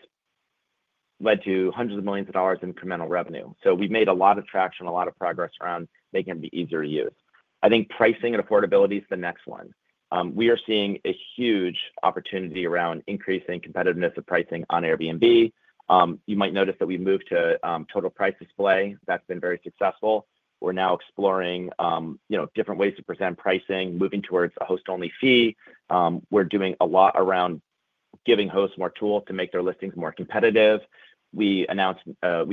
led to hundreds of millions of dollars in incremental revenue. We've made a lot of traction, a lot of progress around making it be easier to use. I think pricing and affordability is the next one. We are seeing a huge opportunity around increasing competitiveness of pricing on Airbnb. You might notice that we moved to total price display. That's been very successful. We're now exploring different ways to present pricing, moving towards a host-only fee. We're doing a lot around giving hosts more tools to make their listings more competitive. We announced a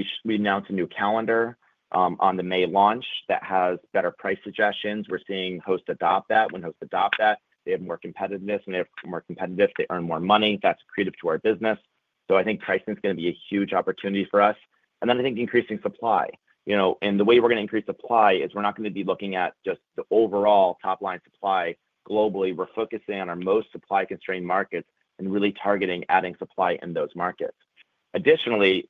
new calendar on the May launch that has better price suggestions. We're seeing hosts adopt that. When hosts adopt that, they have more competitiveness and they have more competitive, they earn more money. That's accretive to our business. I think pricing is going to be a huge opportunity for us. I think increasing supply, and the way we're going to increase supply is we're not going to be looking at just the overall top line supply globally. We're focusing on our most supply-constrained markets and really targeting adding supply in those markets. Additionally,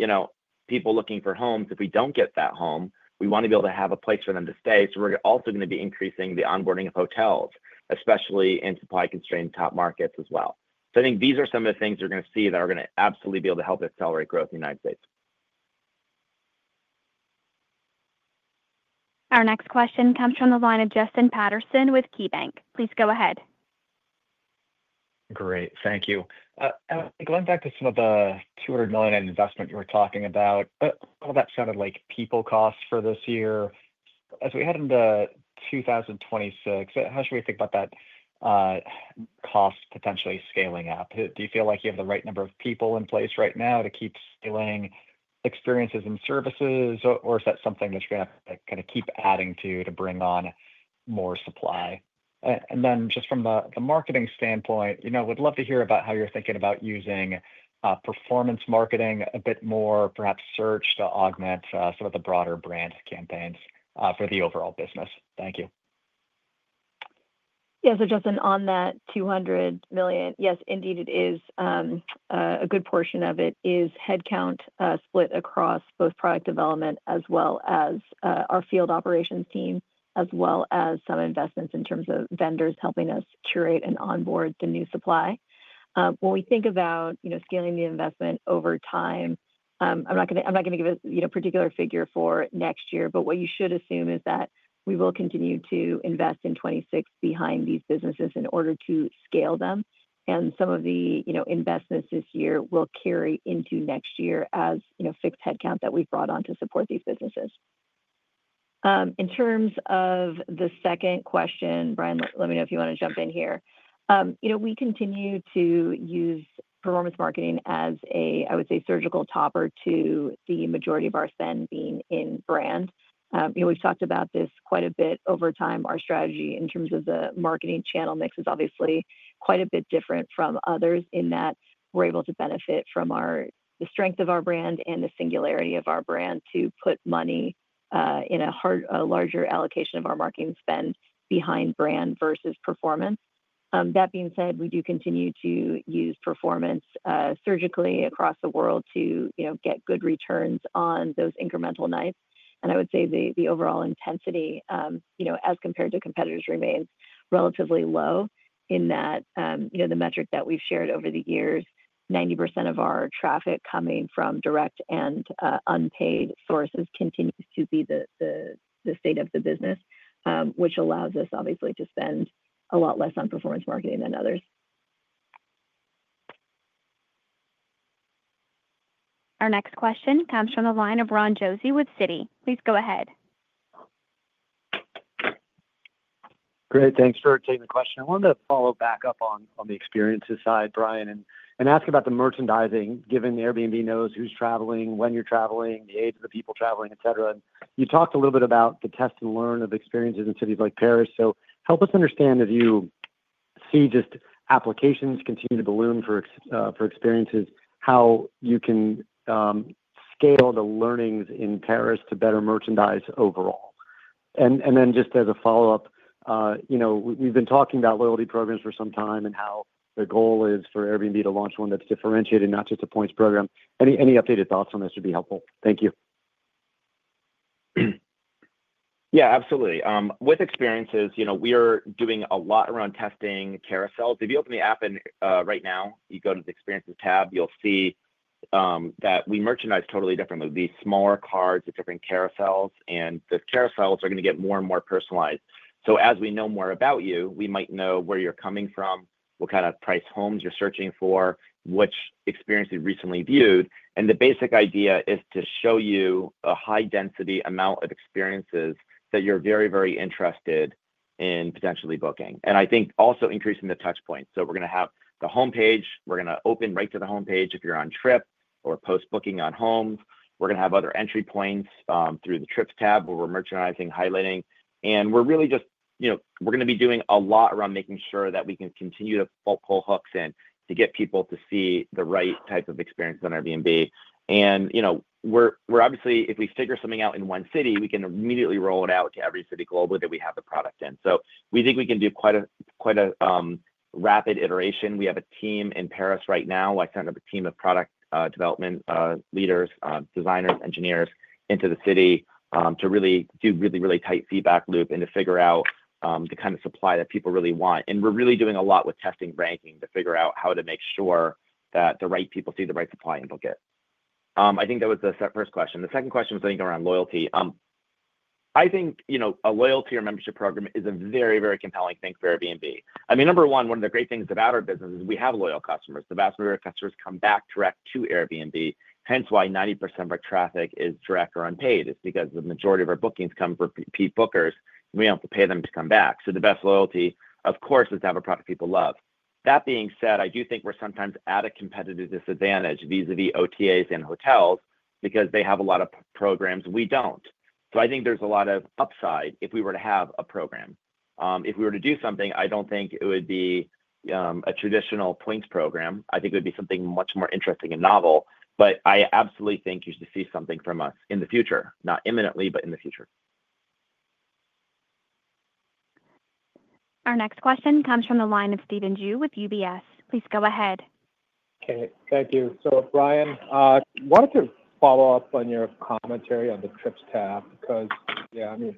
people looking for homes, if we don't get that home, we want to be able to have a place for them to stay. We're also going to be increasing the onboarding of hotels, especially in supply-constrained top markets as well. I think these are some of the things you're going to see that are going to absolutely be able to help accelerate growth in the United States. Our next question comes from the line of Justin Patterson with KeyBanc. Please go ahead. Great, thank you. Going back to some of the $200 million investment you were talking about. All that sounded like people costs for this year as we head into 2026. How should we think about that cost potentially scaling up? Do you feel like you have the right number of people in place right now to keep scaling Experiences and Services, or is that something that you're going to kind of keep adding to, to bring on more supply? Just from a marketing standpoint, we'd love to hear about how you're thinking about using performance marketing a bit more, perhaps search, to augment some of the broader brand campaigns for the overall business. Thank you. Yeah. Justin, on that $200 million, yes indeed, a good portion of it is headcount split across both product development as well as our field operations team, as well as some investments in terms of vendors helping us curate and onboard the new supply. When we think about scaling the investment over time, I'm not going to give a particular figure for next year, but what you should assume is that we will continue to invest in 2026 behind these businesses in order to scale them, and some of the investments this year will carry into next year as fixed headcount that we brought on to support these businesses. In terms of the second question, Brian, let me know if you want to jump in here. We continue to use performance marketing as a, I would say, surgical topper to the majority of our spend being in brand. We've talked about this quite a bit over time. Our strategy in terms of the marketing channel mix is obviously quite a bit different from others in that we're able to benefit from the strength of our brand and the singularity of our brand to put money in a larger allocation of our marketing spend behind brand versus performance. That being said, we do continue to use performance surgically across the world to get good returns on those incremental knife, and I would say the overall intensity as compared to competitors remains relatively low in that the metric that we've shared over the years, 90% of our traffic coming from direct and unpaid sources, continues to be the state of the business, which allows us obviously to spend a lot less on performance marketing than others. Our next question comes from the line of Ron Josey with Citi. Please go ahead. Great. Thanks for taking the question. I wanted to follow back up on the experiences side, Brian, and ask about the merchandising. Given Airbnb knows who's traveling, when you're traveling, the age of the people traveling, etc., you talked a little bit about the test and learn of experiences in cities like Paris. Help us understand if you see just applications continue to balloon for experiences, how you can scale the learnings in Paris to better merchandise overall. Just as a follow up, we've been talking about loyalty programs for some time and how the goal is for Airbnb to launch one that's differentiated, not just a points program. Any updated thoughts on this would be helpful? Thank you. Yeah, absolutely. With experiences, we are doing a lot around testing carousel. If you open the app right now, you go to the Experiences tab, you'll see that we merchandise totally differently, these smaller cards with different carousels. The carousels are going to get more and more personalized. As we know more about you, we might know where you're coming from, what kind of price homes you're searching for, which experience you recently viewed. The basic idea is to show you a high density amount of experiences that you're very, very interested in potentially booking. I think also increasing the touch point. We're going to have the homepage, we're going to open right to the homepage if you're on trip or post booking on home. We're going to have other entry points through the Trips tab where we're merchandising, highlighting. We're really just making sure that we can continue to pull hooks in to get people to see the right type of experience on Airbnb. Obviously, if we figure something out in one city, we can immediately roll it out to every city globally that we have the product in. We think we can do quite a rapid iteration. We have a team in Paris right now. I sent up a team of product development leaders, designers, engineers into the city to really do a really, really tight feedback loop and to figure out the kind of supply that people really want. We're really doing a lot with testing, ranking to figure out how to make sure that the right people see the right supply and book it. I think that was the first question. The second question was, I think, around loyalty. I think a loyalty or membership program is a very, very compelling thing for Airbnb. I mean, number one, one of the great things about our business is we have loyal customers. The vast majority of customers come back direct to Airbnb, hence why 90% of our traffic is direct or unpaid. It's because the majority of our bookings come from repeat bookers. We don't have to pay them to come back. The best loyalty, of course, is to have a product people love. That being said, I do think we're sometimes at a competitive disadvantage vis-à-vis OTAs and hotels, because they have a lot of programs we don't. I think there's a lot of upside. If we were to have a program, if we were to do something, I don't think it would be a traditional points program. I think it would be something much more interesting and novel. I absolutely think you should see something from us in the future. Not imminently, but in the future. Our next question comes from the line of Stephen Ju with UBS. Please go ahead. Thank you. Brian, I wanted to follow up on your commentary on the Trips tab because,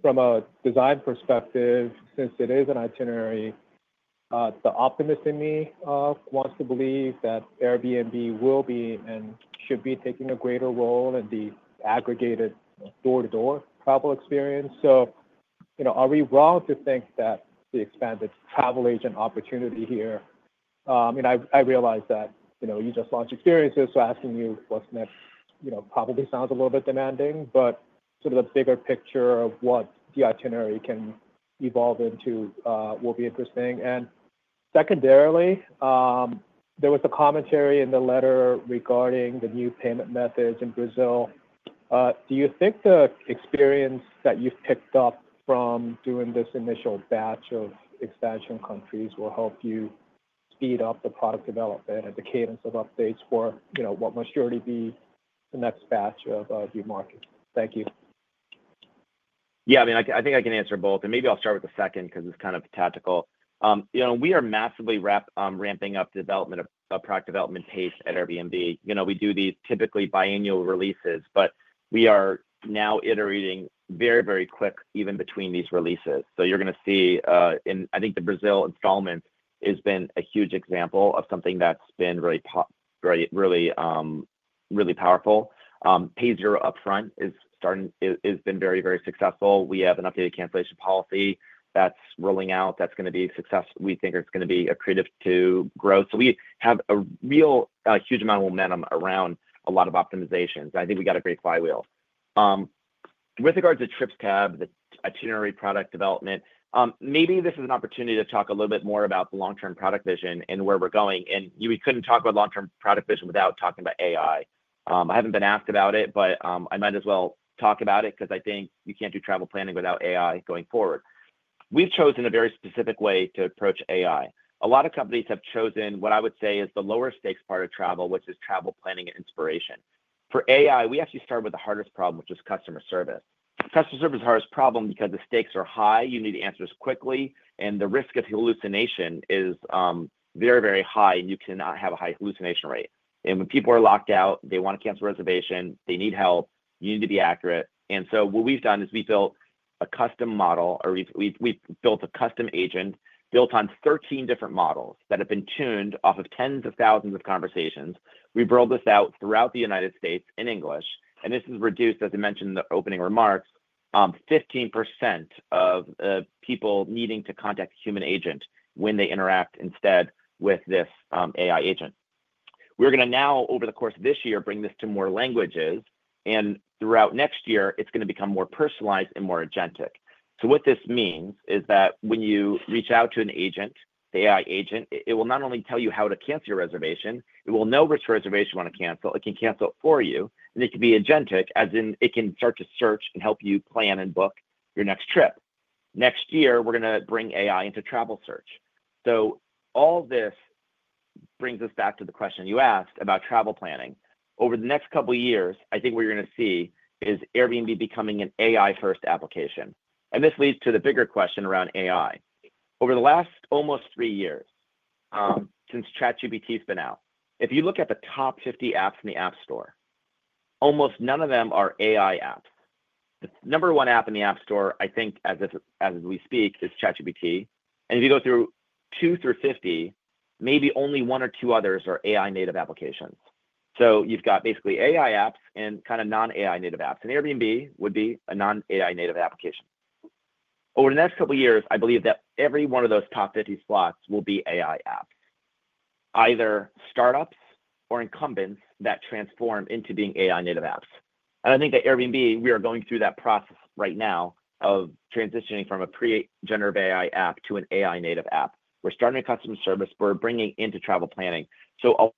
from a design perspective, since it is an itinerary, the optimist in me wants to believe that Airbnb will be and should be taking a greater role in the aggregated door-to-door travel experience. Are we wrong to think that the expanded travel agent opportunity here, I realize that you just launched Airbnb Experiences, so asking you what's next probably sounds a little bit demanding, but sort of a bigger picture of what the itinerary can evolve into will be interesting. Secondarily, there was a commentary in the letter regarding the new payment methods in Brazil. Do you think the experience that you've picked up from doing this initial batch of expansion countries will help you speed up the product development and the cadence of updates for what must surely be the next batch of the market? Thank you. I think I can answer both and maybe I'll start with the second because it's kind of tactical. We are massively ramping up development of product development pace at Airbnb. We do these typically biannual releases, but we are now iterating very, very quickly even between these releases. You're going to see, I think the Brazil installment has been a huge example of something that's been really, really, really powerful. Pay $0 upfront is starting, has been very, very successful. We have an updated cancellation policy that's rolling out, that's going to be successful. We think it's going to be accretive to growth. We have a huge amount of momentum around a lot of optimizations. I think we got a great flywheel with regards to Trips tab, the itinerary, product development. Maybe this is an opportunity to talk a little bit more about the long-term product vision and where we're going. We couldn't talk about long-term product vision without talking about AI. I haven't been asked about it, but I might as well talk about it because I think you can't do travel planning without AI going forward. We've chosen a very specific way to approach AI. A lot of companies have chosen what I would say is the lower stakes part of travel, which is travel planning and inspiration for AI. We actually start with the hardest problem, which is customer service. Customer service is the hardest problem because the stakes are high, you need answers quickly, and the risk of hallucination is very, very high. You cannot have a high hallucination rate. When people are locked out, they want to cancel a reservation. They need help. You need to be accurate. What we've done is we built a custom model, or we built a custom agent built on 13 different models that have been tuned off of tens of thousands of conversations. We've rolled this out throughout the United States in English, and this has reduced, as I mentioned in the opening remarks, 15% of people needing to contact a human agent when they interact instead with this AI customer service agent. Over the course of this year, we are going to bring this to more languages, and throughout next year, it's going to become more personalized and more agentic. What this means is that when you reach out to an agent, the AI customer service agent will not only tell you how to cancel your reservation, it will know which reservation you want to cancel. It can cancel it for you, and it can be agentic as in it can start to search and help you plan and book your next trip. Next year, we are going to bring AI into travel search. All this brings us back to the question you asked about travel planning. Over the next couple of years, I think what we're going to see is Airbnb becoming an AI-first application. This leads to the bigger question around AI. Over the last almost three years since ChatGPT has been out, if you look at the top 50 apps in the App Store, almost none of them are AI apps. The number one app in the App Store, I think, as we speak, is ChatGPT. If you go through two through 50, maybe only one or two others are AI-native applications. You have basically AI apps and kind of non-AI-native apps. Airbnb would be a non-AI-native application. Over the next couple of years, I believe that every one of those top 50 spots will be AI apps, either startups or incumbents that transform into being AI-native apps. I think that at Airbnb, we are going through that process right now of transitioning from a pre-generative AI app to an AI-native app. We are starting at customer service, and we are bringing it into travel planning. It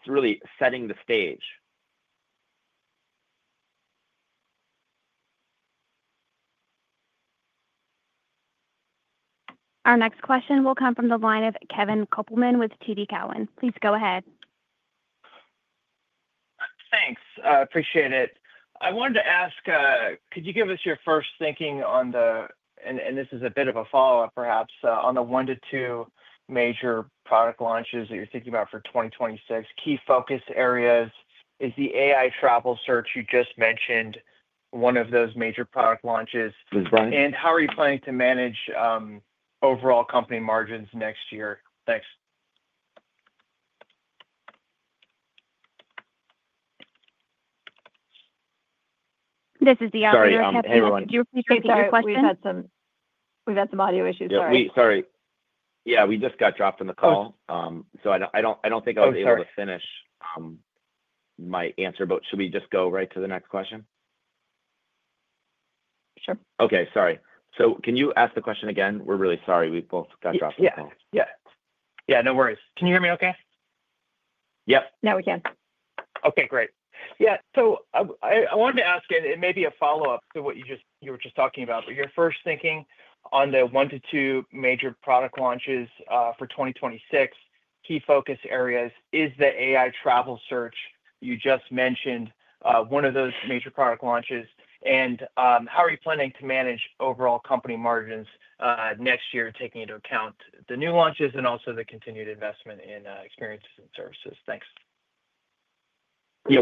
is really setting the stage. Our next question will come from the line of Kevin Kopelman with TD Cowen. Please go ahead. Thanks, appreciate it. I wanted to ask, could you give us your first thinking on the one to two major product launches that you're thinking about for 2026? Key focus areas is the AI travel search. You just mentioned one of those major product launches. How are you planning to manage overall company margins next year? Thanks. This is the. Sorry everyone. We've had some audio issues. Sorry, we just got dropped on the call. I don't think I was able to finish my answer. Should we just go right to the next question? Sure. Sorry, can you ask the question again? We're really sorry, we both got dropped. Yes, no worries. Can you hear me okay? Yep, now we can. Okay, great. Yeah. I wanted to ask, and it. Maybe a follow up to what you just, you were just talking about, but your first thinking on the one to two major product launches for 2026 key focus areas is the AI travel search. You just mentioned one of those major product launches. How are you planning to manage overall company margins next year, taking into account the new launches and also the continued investment in experiences and services? Thanks. Yeah,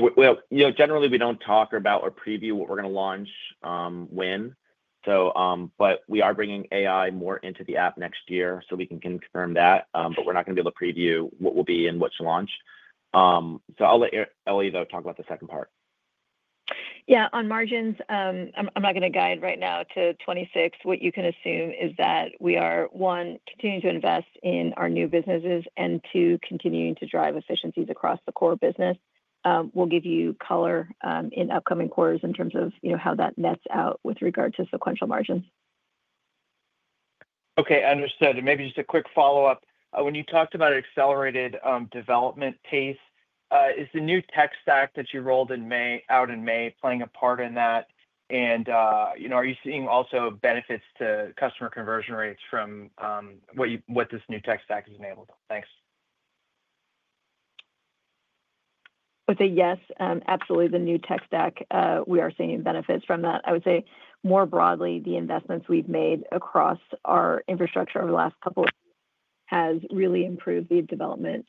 you know, generally we don't talk about or preview what we're going to launch when, but we are bringing AI more into the app next year, so we can confirm that. We're not going to be able to preview what will be and what's launched. I'll let Ellie talk about the second part. Yeah. On margins, I'm not going to guide right now to 2026. What you can assume is that we are, one, continuing to invest in our new businesses and, two, continuing to drive efficiencies across the core business. We'll give you color in upcoming quarters in terms of how that nets out with regard to sequential margins. Okay, understood. Maybe just a quick follow up. When you talked about accelerated development pace, is the new tech stack that you rolled out in May playing a part in that? Are you seeing also benefits to customer conversion rates from what this new tech stack has enabled? Thanks. I would say yes, absolutely. The new tech stack, we are seeing benefits from that. I would say more broadly, the investments we've made across our infrastructure over the last couple of years has really improved the development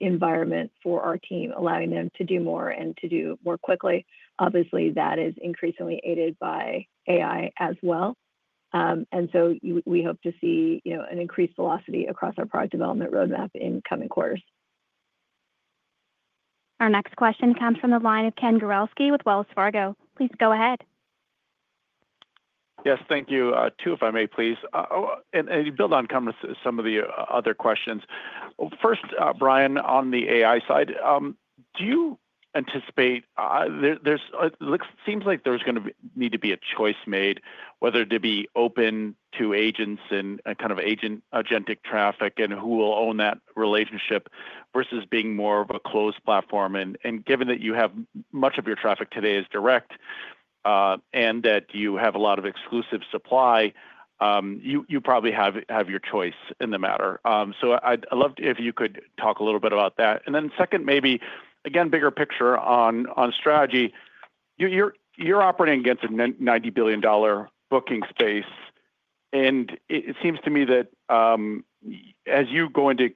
environment for our team, allowing them to do more and to do more quickly. Obviously, that is increasingly aided by AI as well. We hope to see an increased velocity across our product development roadmap in coming quarters. Our next question comes from the line of Ken Gawrelski with Wells Fargo. Please go ahead. Yes, thank you. Two, if I may please. And build on some of the other questions. First, Brian, on the AI side, do you anticipate there seems like there's going to need to be a choice made whether to be open to agents and kind of agent agentic traffic and who will own that relationship versus being more of a closed platform. Given that you have much of your traffic today is direct and that you have a lot of exclusive supply, you probably have your choice in the matter. I love if you could talk a little bit about that. Second, maybe again bigger picture on strategy. You're operating against a $90 billion booking space and it seems to me that as you go into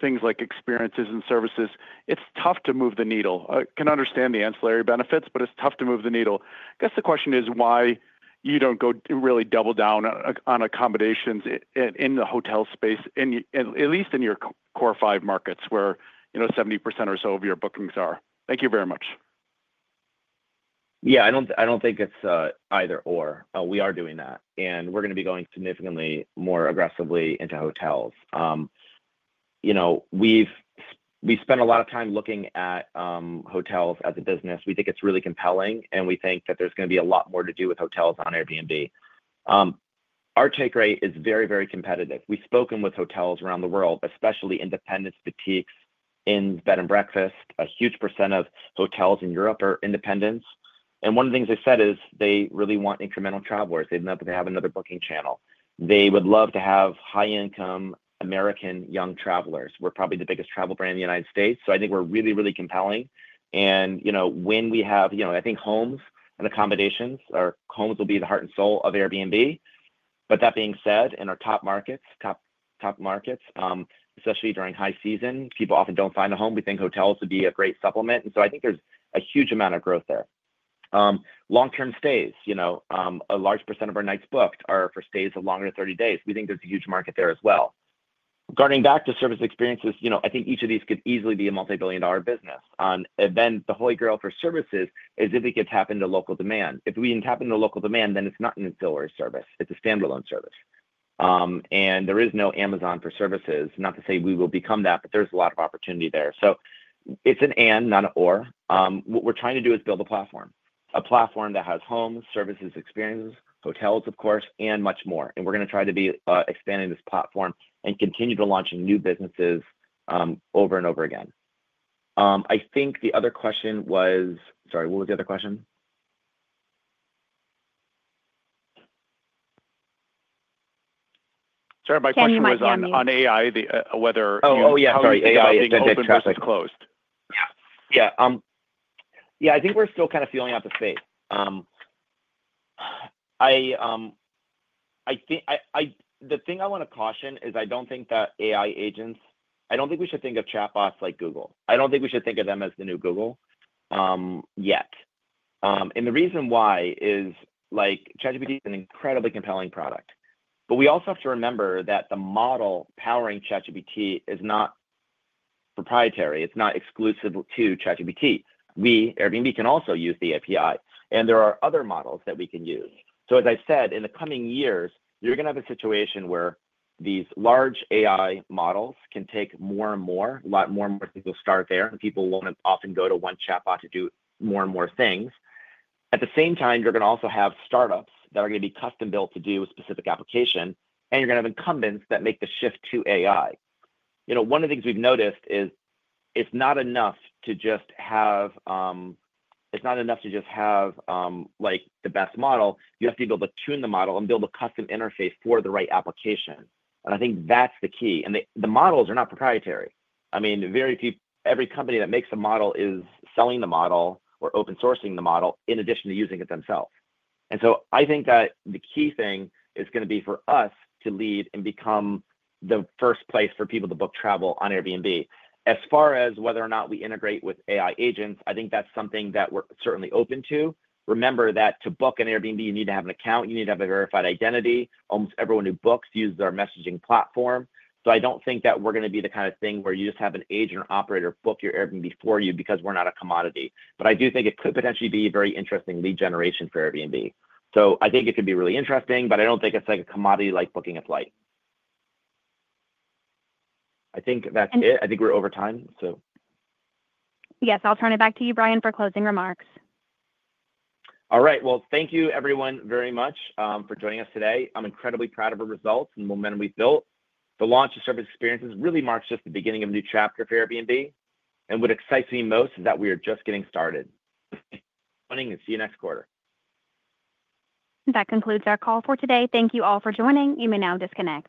things like experiences and services, it's tough to move the needle. Can understand the ancillary benefits, but it's tough to move the needle. I guess the question is why you don't go really double down on accommodations in the hotel space, at least in your core five markets where, you know, 70% or so of your bookings are. Thank you very much. Yeah, I don't think it's either or. We are doing that and we're going to be going significantly more aggressively into hotels. We spent a lot of time looking at hotels as a business. We think it's really compelling and we think that there's going to be a lot more to do with hotels on Airbnb. Our take rate is very, very competitive. We've spoken with hotels around the world, especially independents, boutiques, and bed and breakfast. A huge percent of hotels in Europe are independents. One of the things they said is they really want incremental travelers. They'd love that they have another booking channel. They would love to have high income American young travelers. We're probably the biggest travel brand in the U.S. I think we're really, really compelling. When we have, you know, I think homes and accommodations or homes will be the heart and soul of Airbnb. That being said, in our top markets, top, top markets, especially during high season, people often don't find a home. We think hotels would be a great supplement. I think there's a huge amount of growth there. Long term stays, you know, a large percent of our nights booked are for stays longer than 30 days. We think there's a huge market there as well. Guarding back to service experiences, I think each of these could easily be a multibillion dollar business. The holy grail for services is if we could tap into local demand. If we didn't have the local demand, then it's not ancillary service, it's a standalone service and there is no Amazon for services. Not to say we will become that, but there's a lot of opportunity there. It's an and not an or. What we're trying to do is build a platform, a platform that has homes, services, experiences, hotels, of course, and much more. We're going to try to be expanding this platform and continue to launch new businesses over and over again. I think the other question was, sorry, what was the other question? Sorry, my question was on AI, the weather. Oh, yeah, sorry, closed. Yeah, I think we're still kind of feeling out the fate. The thing I want to caution is I don't think that AI agents, I don't think we should think of chatbots like Google, I don't think we should think of them as the new Google yet. The reason why is, like, ChatGPT is an incredibly compelling product. We also have to remember that the model powering ChatGPT is not proprietary. It's not exclusive to ChatGPT. We, Airbnb, can also use the API and there are other models that we can use. As I said, in the coming years, you're going to have a situation where these large AI models can take more and more and more people start there, and people won't often go to one chatbot to do more and more things. At the same time, you're going to also have startups that are going to be custom built to do a specific application and you're going to have incumbents that make the shift to AI. One of the things we've noticed is it's not enough to just have the best model. You have to be able to tune the model and build a custom interface for the right application. I think that's the key. The models are not proprietary. Very few, every company that makes a model is selling the model or open sourcing the model in addition to using it themselves. I think that the key thing is going to be for us to lead and become the first place for people to book travel on Airbnb. As far as whether or not we integrate with agents, I think that's something that we're certainly open to. Remember that to book an Airbnb, you need to have an account, you need to have a verified identity. Almost everyone who books uses their messaging platform. I don't think that we're going to be the kind of thing where you just have an agent or operator book your Airbnb for you, because we're not a commodity. I do think it could potentially be very interesting lead generation for Airbnb. I think it could be really interesting, but I don't think it's like a commodity, like booking a flight. I think that's it. I think we're over time. Yes, I'll turn it back to you, Brian, for closing remarks. All right, thank you everyone very much for joining us today. I'm incredibly proud of our results and the momentum we built. The launch of Airbnb Experiences really marks just the beginning of a new chapter for Airbnb. What excites me most is that we are just getting started. Morning and see you next quarter. That concludes our call for today. Thank you all for joining. You may now disconnect.